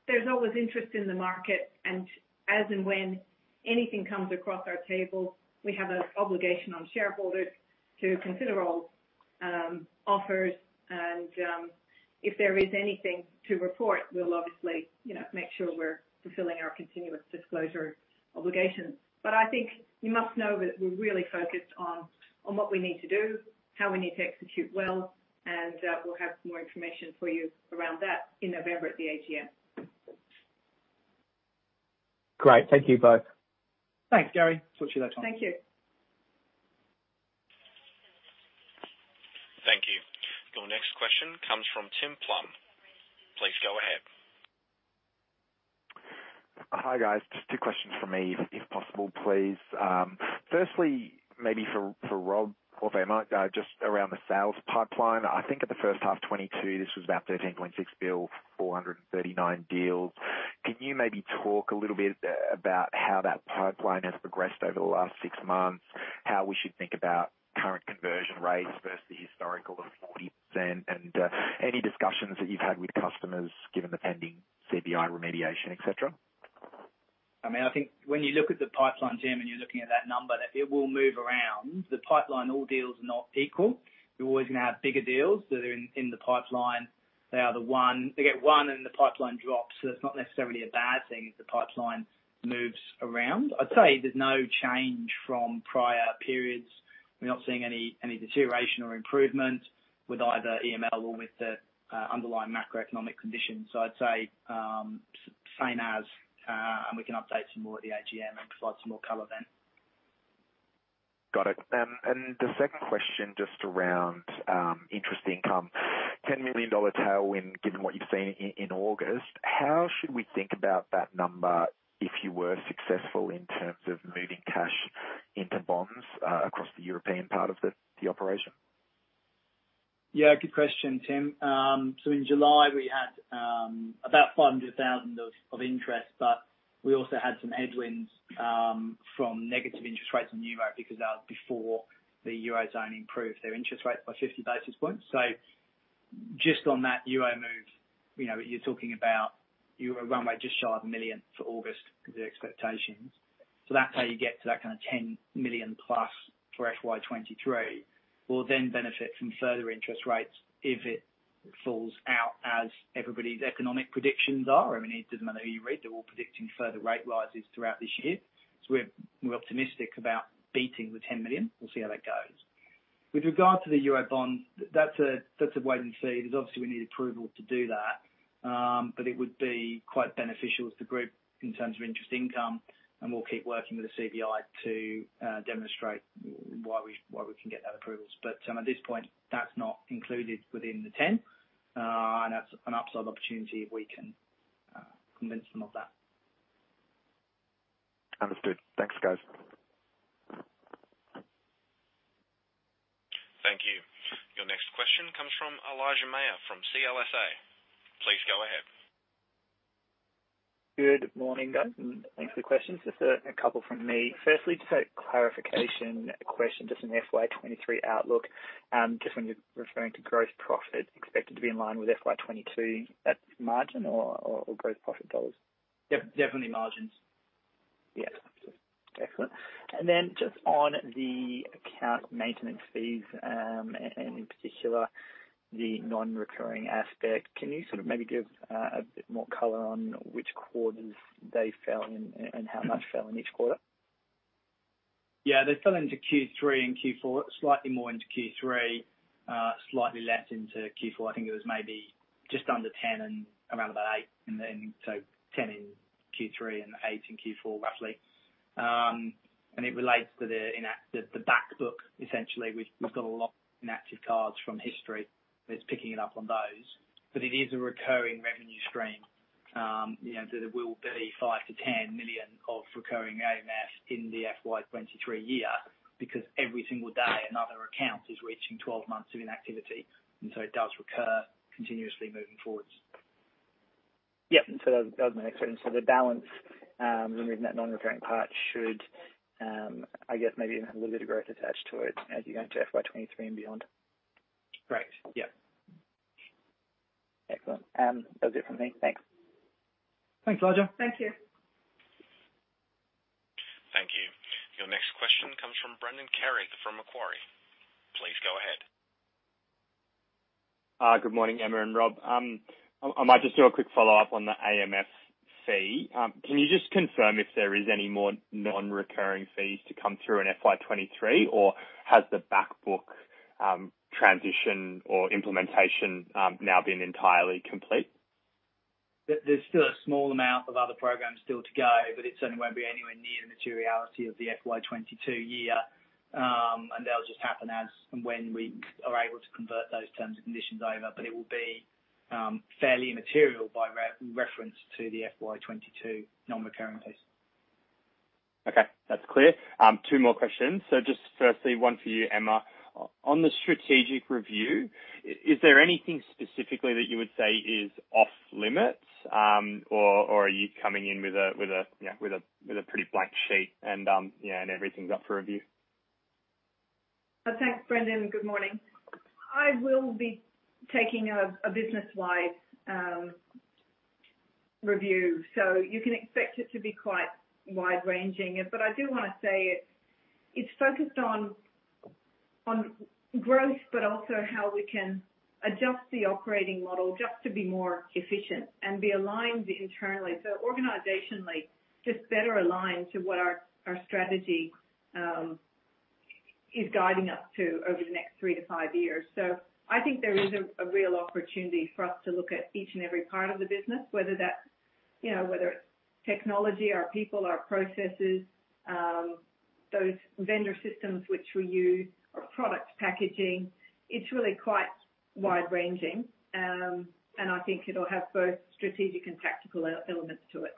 there's always interest in the market and as and when anything comes across our table, we have an obligation on shareholders to consider all offers. If there is anything to report, we'll obviously, you know, make sure we're fulfilling our continuous disclosure obligations. I think you must know that we're really focused on what we need to do, how we need to execute well and we'll have more information for you around that in November at the AGM. Great. Thank you both. Thanks, Garry. Talk to you later on. Thank you. Thank you. Your next question comes from Tim Plumbe. Please go ahead. Hi, guys. Just two questions from me if possible, please. Firstly, maybe for Rob or Faye, just around the sales pipeline. I think at the first half 2022, this was about 13.6 billion, 439 deals. Can you maybe talk a little bit about how that pipeline has progressed over the last six months, how we should think about current conversion rates versus the historical of 40% and any discussions that you've had with customers given the pending CBI remediation, et cetera? I mean, I think when you look at the pipeline, Tim and you're looking at that number, that it will move around. The pipeline, all deals are not equal. You're always gonna have bigger deals that are in the pipeline. They get one and the pipeline drops. It's not necessarily a bad thing if the pipeline moves around. I'd say there's no change from prior periods. We're not seeing any deterioration or improvement with either EML or with the underlying macroeconomic conditions. I'd say same as and we can update some more at the AGM and provide some more color then. Got it. The second question, just around interest income. 10 million dollar tailwind, given what you've seen in August. How should we think about that number if you were successful in terms of moving cash into bonds, across the European part of the operation? Yeah, good question, Tim. In July, we had about 500,000 of interest but we also had some headwinds from negative interest rates on Euro because that was before the Eurozone improved their interest rates by 50 basis points. Just on that Euro move, you know, you're talking about you were running just short of 1 million for August because of the expectations. That's how you get to that kind of 10 million plus for FY 2023. We'll then benefit from further interest rates if it plays out as everybody's economic predictions are. I mean, it doesn't matter who you read, they're all predicting further rate rises throughout this year. We're optimistic about beating the 10 million. We'll see how that goes. With regard to the Euro bonds, that's a wait and see, because obviously, we need approval to do that. It would be quite beneficial to the group in terms of interest income and we'll keep working with the CBI to demonstrate why we can get that approval. At this point, that's not included within the ten and that's an upside opportunity if we can convince them of that. Understood. Thanks, guys. Thank you. Your next question comes from Ed Henning from CLSA. Please go ahead. Good morning, guys and thanks for the questions. Just a couple from me. Firstly, just a clarification question, just on FY 2023 outlook. Just when you're referring to gross profit expected to be in line with FY 2022, that's margin or gross profit dollars? Definitely margins. Yes. Excellent. Just on the account maintenance fees and in particular, the non-recurring aspect, can you sort of maybe give a bit more color on which quarters they fell and how much fell in each quarter? Yeah. They fell into Q3 and Q4, slightly more into Q3, slightly less into Q4. I think it was maybe just under 10 and around about 8. Ten in Q3 and 8 in Q4, roughly. It relates to the back book, essentially. We've got a lot of inactive cards from history that's picking it up on those. But it is a recurring revenue stream. You know, there will be 5-10 million of recurring AMF in the FY 2023 year, because every single day another account is reaching 12 months of inactivity and so it does recur continuously moving forwards. Yeah. That was my next one. The balance, removing that non-recurring part should, I guess maybe even have a little bit of growth attached to it as you go into FY 2023 and beyond. Right. Yeah. Excellent. That's it from me. Thanks. Thanks, Ed Henning. Thank you. Thank you. Your next question comes from Brendan Carrig from Macquarie. Please go ahead. Good morning, Emma and Rob. I might just do a quick follow-up on the AMF fee. Can you just confirm if there is any more non-recurring fees to come through in FY 2023? Or has the back book transition or implementation now been entirely complete? There's still a small amount of other programs still to go but it certainly won't be anywhere near the materiality of the FY 2022. They'll just happen as and when we are able to convert those terms and conditions over. It will be fairly immaterial by reference to the FY 2022 non-recurring fees. Okay, that's clear. Two more questions. Just firstly, one for you, Emma. On the strategic review, is there anything specifically that you would say is off limits? Or are you coming in with a, you know, pretty blank sheet and, you know, everything's up for review? Thanks, Brendan and good morning. I will be taking a business-wide review, so you can expect it to be quite wide-ranging. I do wanna say it's focused on growth but also how we can adjust the operating model just to be more efficient and be aligned internally. Organizationally, just better aligned to what our strategy is guiding us to over the next three to five years. I think there is a real opportunity for us to look at each and every part of the business, whether that's, you know, whether it's technology, our people, our processes, those vendor systems which we use, our product packaging. It's really quite wide-ranging. I think it'll have both strategic and tactical elements to it.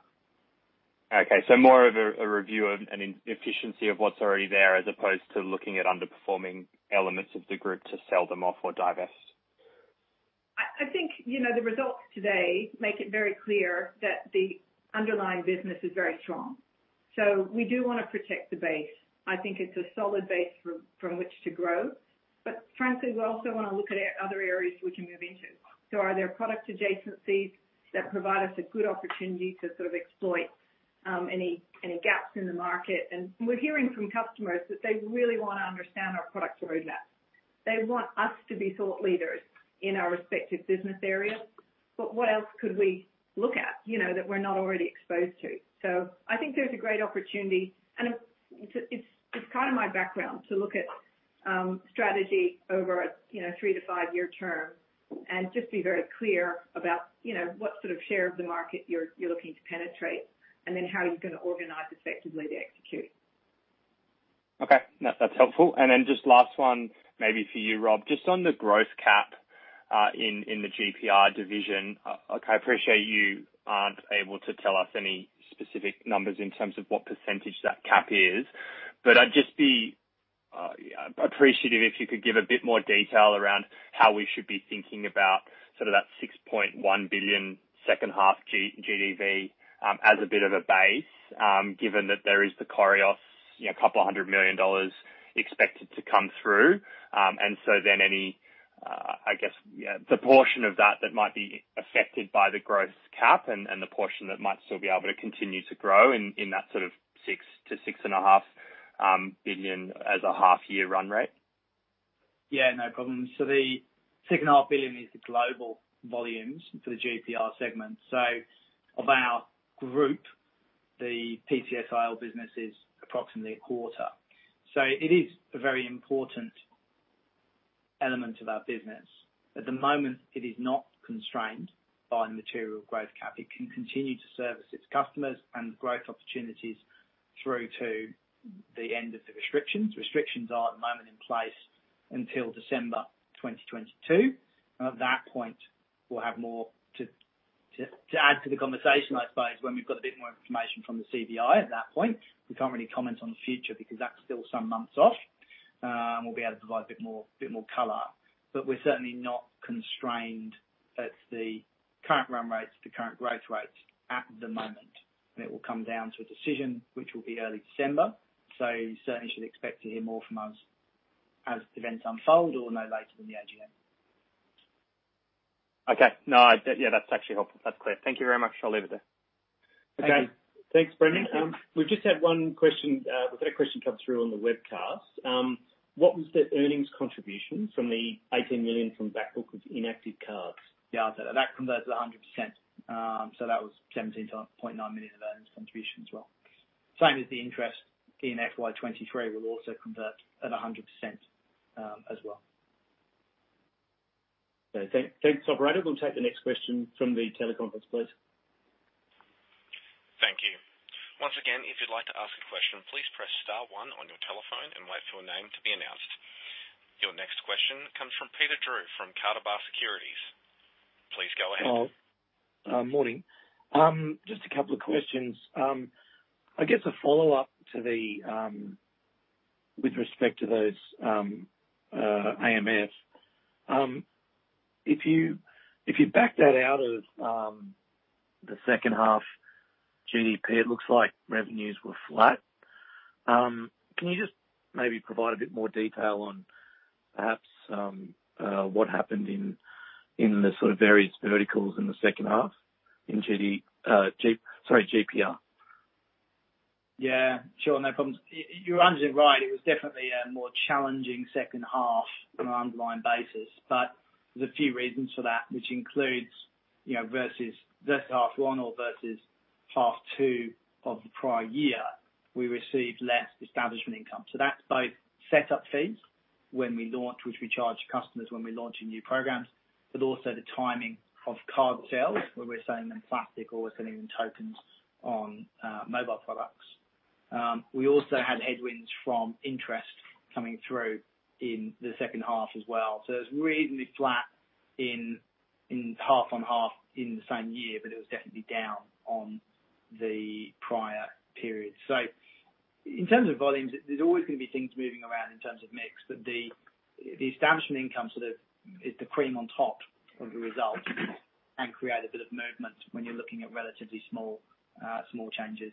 Okay. More of a review of an efficiency of what's already there, as opposed to looking at underperforming elements of the group to sell them off or divest? I think, you know, the results today make it very clear that the underlying business is very strong. We do wanna protect the base. I think it's a solid base from which to grow. Frankly, we also wanna look at other areas we can move into. Are there product adjacencies that provide us a good opportunity to sort of exploit any gaps in the market? We're hearing from customers that they really wanna understand our product roadmap. They want us to be thought leaders in our respective business areas. What else could we look at, you know, that we're not already exposed to? I think there's a great opportunity. It's kind of my background to look at strategy over a three-five year term and just be very clear about, you know, what sort of share of the market you're looking to penetrate and then how are you gonna organize effectively to execute. Okay. That's helpful. Just last one, maybe for you, Rob. Just on the growth cap in the GPR division. Look, I appreciate you aren't able to tell us any specific numbers in terms of what percentage that cap is. But I'd just be appreciative if you could give a bit more detail around how we should be thinking about sort of that $6.1 billion second half GDV as a bit of a base, given that there is the Correos, you know, couple of hundred million dollars expected to come through. Any, I guess, you know, the portion of that that might be affected by the growth cap and the portion that might still be able to continue to grow in that sort of 6-6.5 billion as a half year run rate. Yeah, no problem. The 500 million is the global volumes for the GPR segment. Of our group, the PFS Ireland business is approximately a quarter. It is a very important element of our business. At the moment, it is not constrained by material growth cap. It can continue to service its customers and growth opportunities through to the end of the restrictions. Restrictions are at the moment in place until December 2022. At that point, we'll have more to add to the conversation, I suppose, when we've got a bit more information from the CBI at that point. We can't really comment on the future because that's still some months off. We'll be able to provide a bit more color. We're certainly not constrained at the current run rates, the current growth rates at the moment. It will come down to a decision which will be early December. You certainly should expect to hear more from us as events unfold or no later than the AGM. Okay. No, yeah, that's actually helpful. That's clear. Thank you very much. I'll leave it there. Thanks, Brendan. We've just had one question. We've had a question come through on the webcast. What was the earnings contribution from the 18 million from back book with inactive cards? That converts 100%. That was 17.9 million of earnings contribution as well. Same as the interest in FY 2023 will also convert at 100% as well. Thanks, operator. We'll take the next question from the teleconference, please. Once again, if you'd like to ask a question, please press star one on your telephone and wait for your name to be announced. Your next question comes from Peter Drew from Carter Bar Securities. Please go ahead. Morning. Just a couple of questions. I guess a follow-up to the with respect to those AMFs. If you back that out of the second half GPR, it looks like revenues were flat. Can you just maybe provide a bit more detail on perhaps what happened in the sort of various verticals in the second half in GPR? Yeah, sure. No problems. You understood it right. It was definitely a more challenging second half on an ongoing basis but there's a few reasons for that, which includes, you know, versus half one or versus half two of the prior year, we received less establishment income. So that's both setup fees when we launch, which we charge customers when we're launching new programs but also the timing of card sales, where we're selling them plastic or we're selling them tokens on mobile products. We also had headwinds from interest coming through in the second half as well. So it was reasonably flat in half on half in the same year but it was definitely down on the prior period. In terms of volumes, there's always gonna be things moving around in terms of mix but the establishment income sort of is the cream on top of the result and create a bit of movement when you're looking at relatively small changes.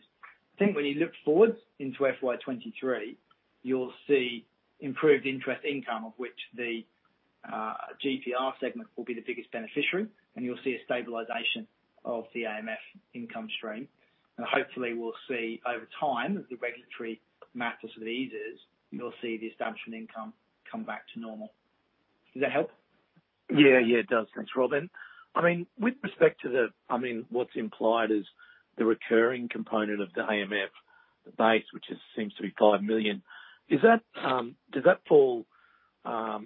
I think when you look forward into FY 2023, you'll see improved interest income of which the GPR segment will be the biggest beneficiary and you'll see a stabilization of the AMF income stream. Hopefully, we'll see over time, as the regulatory matters sort of eases, you'll see the establishment income come back to normal. Does that help? Yeah. Yeah, it does. Thanks, Rob. I mean, with respect to the I mean, what's implied is the recurring component of the AMF, the base, which seems to be 5 million. Does that fall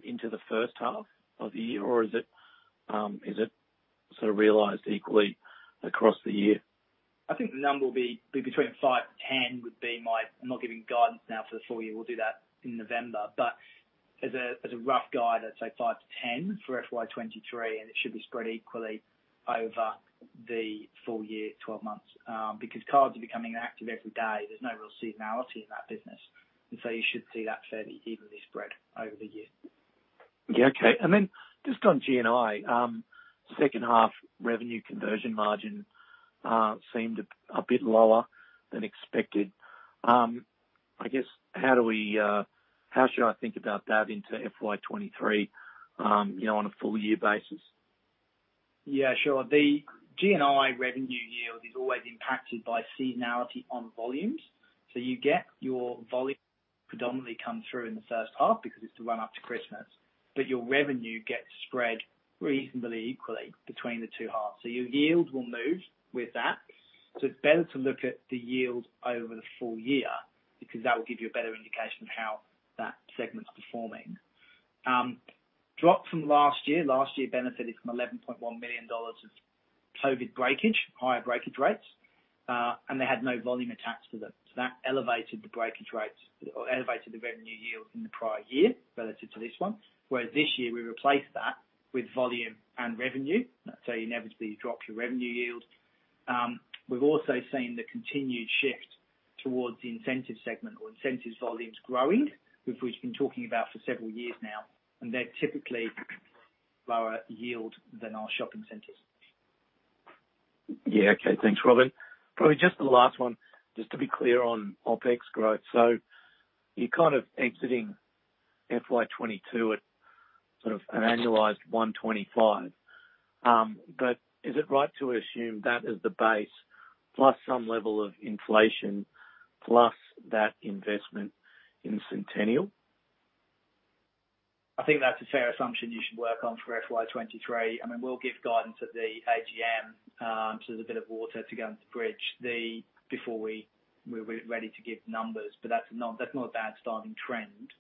into the first half of the year or is it sort of realized equally across the year? I think the number will be between 5-10. I'm not giving guidance now for the full year. We'll do that in November. But as a rough guide, I'd say 5-10 for FY 2023 and it should be spread equally over the full year, 12 months, because cards are becoming active every day. There's no real seasonality in that business. You should see that fairly evenly spread over the year. Just on G&I, second half revenue conversion margin seemed a bit lower than expected. I guess, how do we, how should I think about that into FY 2023, you know, on a full year basis? Yeah, sure. The GNI revenue yield is always impacted by seasonality on volumes. You get your volume predominantly come through in the first half because it's the run after Christmas but your revenue gets spread reasonably equally between the two halves. Your yield will move with that. It's better to look at the yield over the full year because that will give you a better indication of how that segment is performing. Drop from last year. Last year benefited from 11.1 million dollars of COVID breakage, higher breakage rates and they had no volume attached to them. That elevated the breakage rates or elevated the revenue yield in the prior year relative to this one. Whereas this year we replaced that with volume and revenue. You inevitably drop your revenue yield. We've also seen the continued shift towards the incentive segment or incentives volumes growing, which we've been talking about for several years now and they're typically lower yield than our shopping centers. Yeah. Okay. Thanks, Rob. Probably just the last one, just to be clear on OpEx growth. You're kind of exiting FY 2022 at sort of an annualized 125. Is it right to assume that is the base plus some level of inflation plus that investment in Sentenial? I think that's a fair assumption you should work on for FY 2023. I mean, we'll give guidance at the AGM, so there's a bit of water to go under the bridge before we're ready to give numbers. That's not a bad starting trend.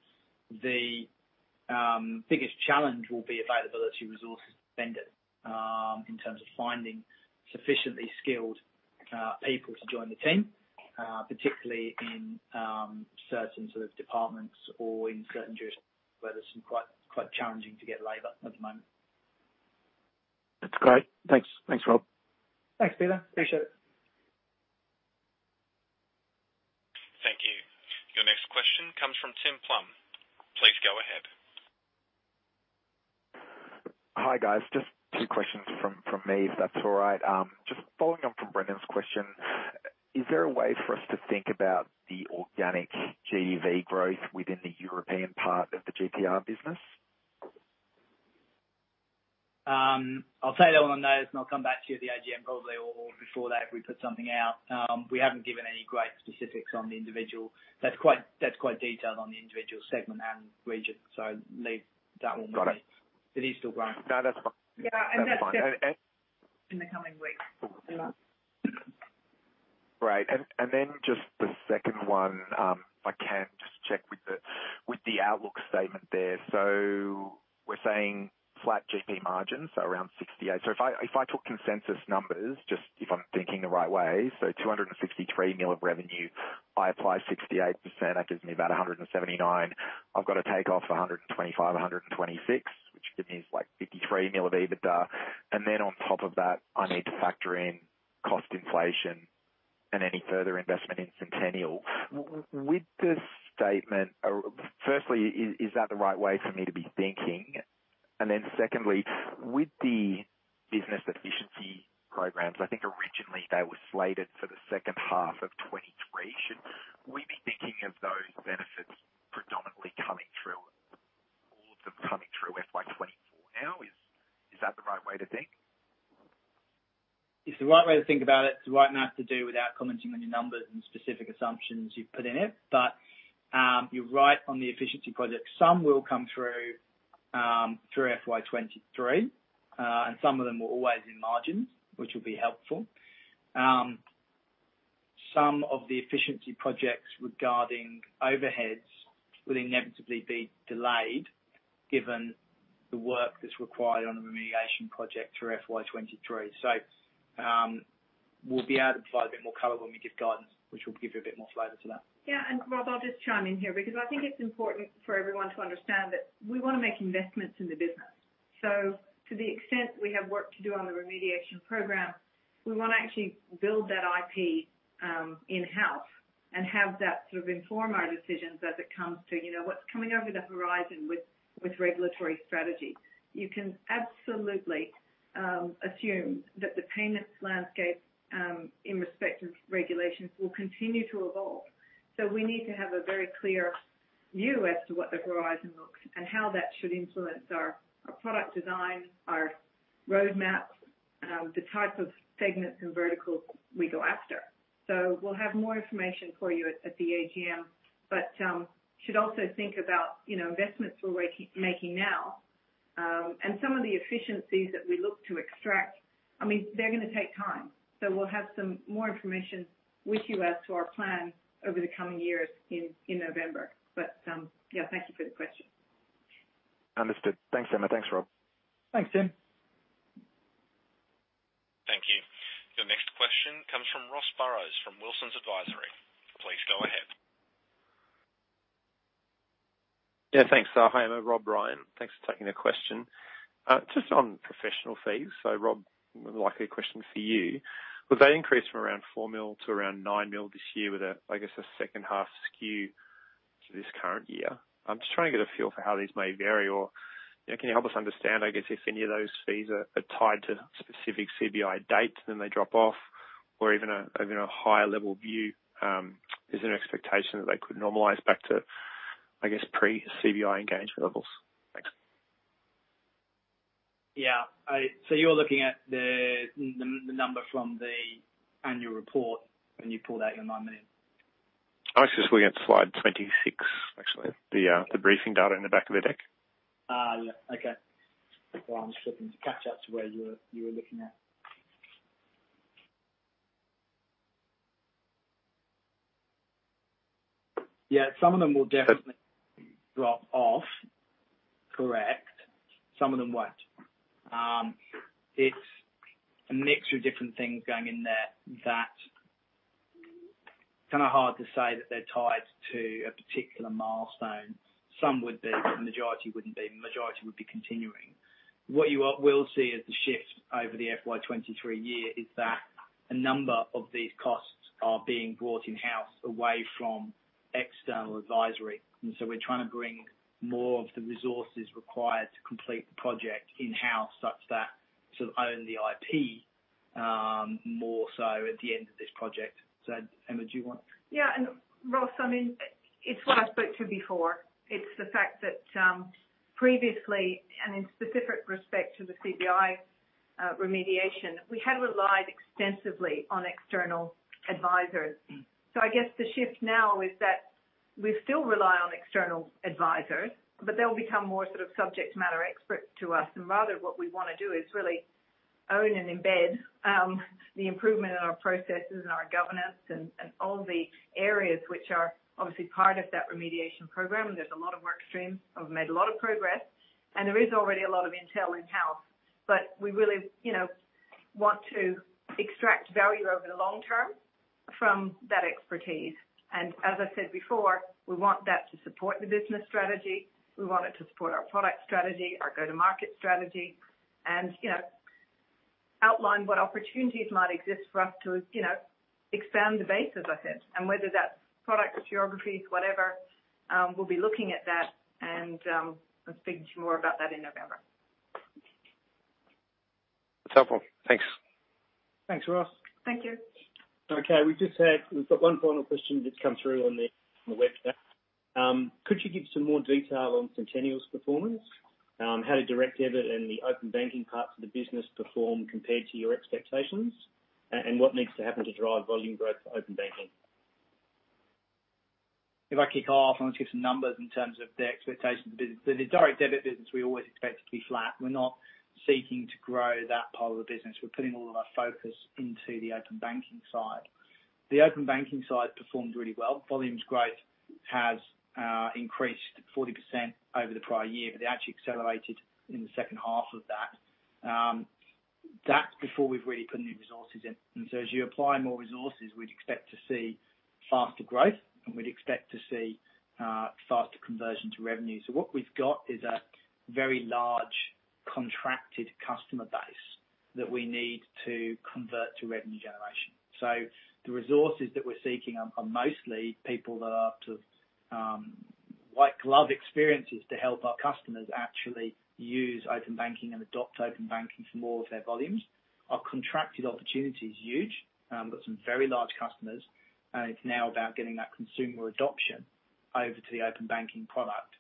The biggest challenge will be availability of resources vendors in terms of finding sufficiently skilled people to join the team, particularly in certain sort of departments or in certain jurisdictions where there's some quite challenging to get labor at the moment. That's great. Thanks. Thanks, Rob. Thanks, Peter. Appreciate it. Thank you. Your next question comes from Tim Plumbe. Please go ahead. Hi, guys. Just two questions from me, if that's all right. Just following on from Brendan's question, is there a way for us to think about the organic GDV growth within the European part of the GPR business? I'll take that one on notice and I'll come back to you at the AGM probably or before that if we put something out. We haven't given any great specifics on the individual. That's quite detailed on the individual segment and region. Leave that one with me. It is still growing. Got it. No, that's fine. Yeah, that's definitely. In the coming weeks. Right. Just the second one, if I can just check with the outlook statement there. We're saying flat GP margins, around 68%. If I took consensus numbers, just if I'm thinking the right way. 263 million of revenue, I apply 68%, that gives me about 179 million. I've got to take off 125 million, 126 million, which gives me like 53 million of EBITDA. On top of that, I need to factor in cost inflation and any further investment in Sentenial. With this statement, firstly, is that the right way for me to be thinking? Secondly, with the business efficiency programs, I think originally they were slated for the second half of 2023. Should we be thinking of those benefits predominantly coming through or coming through FY 2024 now? Is that the right way to think? It's the right way to think about it. It's the right math to do without commenting on your numbers and specific assumptions you've put in it. You're right on the efficiency project. Some will come through through FY 2023. Some of them were always in margins, which will be helpful. Some of the efficiency projects regarding overheads will inevitably be delayed given the work that's required on the remediation project through FY 2023. We'll be able to provide a bit more color when we give guidance, which will give you a bit more flavor to that. Yeah, Rob, I'll just chime in here because I think it's important for everyone to understand that we wanna make investments in the business. To the extent we have work to do on the remediation program, we wanna actually build that IP in-house and have that sort of inform our decisions as it comes to, you know, what's coming over the horizon with regulatory strategy. You can absolutely assume that the payments landscape in respect of regulations will continue to evolve. We need to have a very clear view as to what the horizon looks and how that should influence our product design, our roadmaps, the type of segments and verticals we go after. We'll have more information for you at the AGM but should also think about, you know, investments we're making now. Some of the efficiencies that we look to extract. I mean, they're gonna take time. We'll have some more information with you as to our plan over the coming years in November. Yeah, thank you for the question. Understood. Thanks, Emma. Thanks, Rob. Thanks, Tim. Thank you. Your next question comes from Ross Barrows from Wilsons Advisory. Please go ahead. Yeah, thanks. Hi, Emma, Rob, Ryan. Thanks for taking the question. Just on professional fees. Rob, likely a question for you. Was that increase from around 4 million to around 9 million this year with a, I guess a second half skew to this current year? I'm just trying to get a feel for how these may vary or, you know, can you help us understand, I guess, if any of those fees are tied to specific CBI dates, then they drop off or even a higher level view, is there an expectation that they could normalize back to, I guess, pre-CBI engagement levels? Thanks. Yeah. You're looking at the number from the annual report and you pulled out your 9 million. I was just looking at slide 26, actually, the briefing data in the back of the deck. I'm just looking to catch up to where you were looking at. Some of them will definitely drop off. Correct. Some of them won't. It's a mixture of different things going in there that it's kind of hard to say that they're tied to a particular milestone. Some would be, majority wouldn't be, majority would be continuing. What you will see as the shift over the FY 2023 year is that a number of these costs are being brought in-house away from external advisory. We're trying to bring more of the resources required to complete the project in-house such that sort of own the IP more so at the end of this project. Emma, do you want? Yeah. Ross, I mean, it's what I spoke to before. It's the fact that, previously and in specific respect to the CBI, remediation, we had relied extensively on external advisors. I guess the shift now is that we still rely on external advisors but they'll become more sort of subject matter experts to us. Rather what we wanna do is really own and embed, the improvement in our processes and our governance and all the areas which are obviously part of that remediation program. There's a lot of work stream. I've made a lot of progress and there is already a lot of intel in-house. We really, you know, want to extract value over the long term from that expertise. As I said before, we want that to support the business strategy. We want it to support our product strategy, our go-to-market strategy and, you know, outline what opportunities might exist for us to, you know, expand the base, as I said. Whether that's products, geographies, whatever, we'll be looking at that and speak to you more about that in November. That's helpful. Thanks. Thanks, Ross. Thank you. We've got one final question that's come through on the website. Could you give some more detail on Sentenial's performance? How did direct debit and the open banking parts of the business perform compared to your expectations? And what needs to happen to drive volume growth for open banking? If I kick off, I want to give some numbers in terms of the expectations of the business. The direct debit business we always expect to be flat. We're not seeking to grow that part of the business. We're putting all of our focus into the open banking side. The open banking side performed really well. Volume growth has increased 40% over the prior year but they actually accelerated in the second half of that. That's before we've really put new resources in. As you apply more resources, we'd expect to see faster growth and we'd expect to see faster conversion to revenue. What we've got is a very large contracted customer base that we need to convert to revenue generation. The resources that we're seeking are mostly people that are to white glove experiences to help our customers actually use open banking and adopt open banking for more of their volumes. Our contracted opportunity is huge. We've got some very large customers and it's now about getting that consumer adoption over to the open banking product.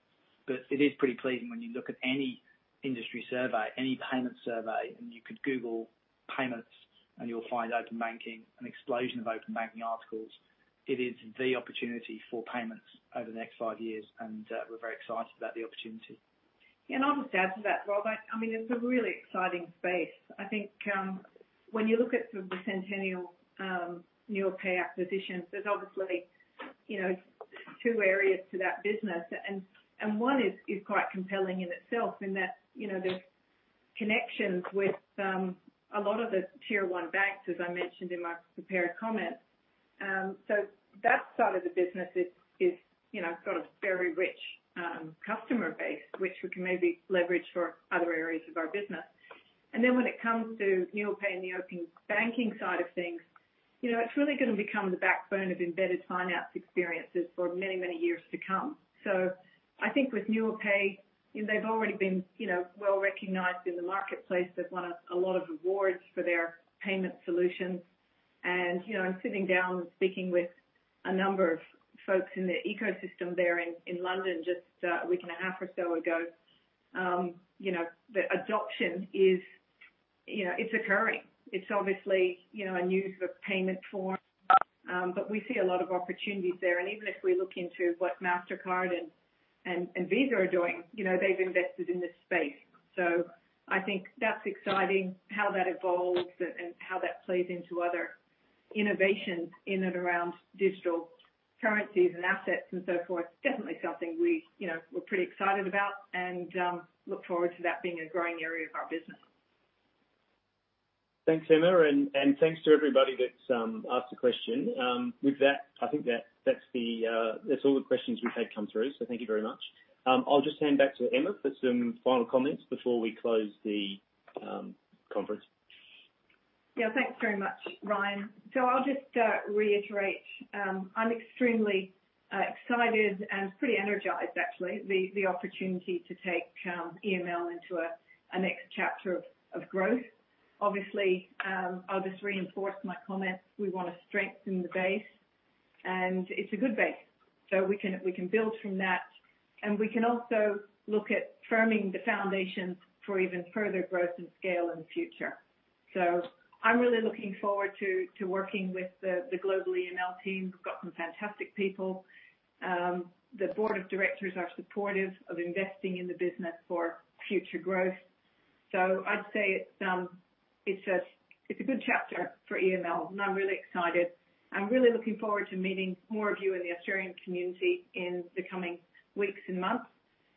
It is pretty pleasing when you look at any industry survey, any payment survey and you could Google payments and you'll find open banking, an explosion of open banking articles. It is the opportunity for payments over the next five years and we're very excited about the opportunity. Yeah. I'll just add to that, Rob. I mean, it's a really exciting space. I think when you look at the Sentenial Nuapay acquisitions, there's obviously two areas to that business. One is quite compelling in itself in that there's connections with a lot of the tier one banks, as I mentioned in my prepared comments. That side of the business is sort of very rich customer base, which we can maybe leverage for other areas of our business. Then when it comes to Nuapay and the open banking side of things, it's really gonna become the backbone of embedded finance experiences for many, many years to come. I think with Nuapay, they've already been well-recognized in the marketplace. They've won a lot of awards for their payment solutions. You know, I'm sitting down speaking with a number of folks in the ecosystem there in London just a week and a half or so ago. You know, the adoption is you know it's occurring. It's obviously you know a new payment form. We see a lot of opportunities there. Even if we look into what Mastercard and Visa are doing, you know, they've invested in this space. I think that's exciting, how that evolves and how that plays into other innovations in and around digital currencies and assets and so forth. It's definitely something we're you know pretty excited about and look forward to that being a growing area of our business. Thanks, Emma. Thanks to everybody that's asked a question. With that, I think that's all the questions we've had come through. Thank you very much. I'll just hand back to Emma for some final comments before we close the conference. Yeah. Thanks very much, Ryan. I'll just reiterate, I'm extremely excited and pretty energized actually the opportunity to take EML into a next chapter of growth. Obviously, I'll just reinforce my comments. We wanna strengthen the base and it's a good base, so we can build from that. We can also look at firming the foundation for even further growth and scale in the future. I'm really looking forward to working with the global EML team. We've got some fantastic people. The board of directors are supportive of investing in the business for future growth. I'd say it's a good chapter for EML and I'm really excited. I'm really looking forward to meeting more of you in the Australian community in the coming weeks and months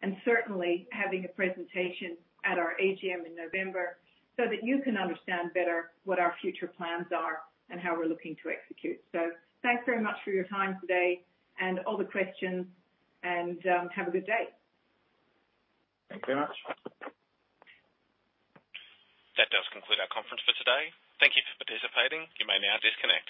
and certainly having a presentation at our AGM in November so that you can understand better what our future plans are and how we're looking to execute. Thanks very much for your time today and all the questions and have a good day. Thanks very much. That does conclude our conference for today. Thank you for participating. You may now disconnect.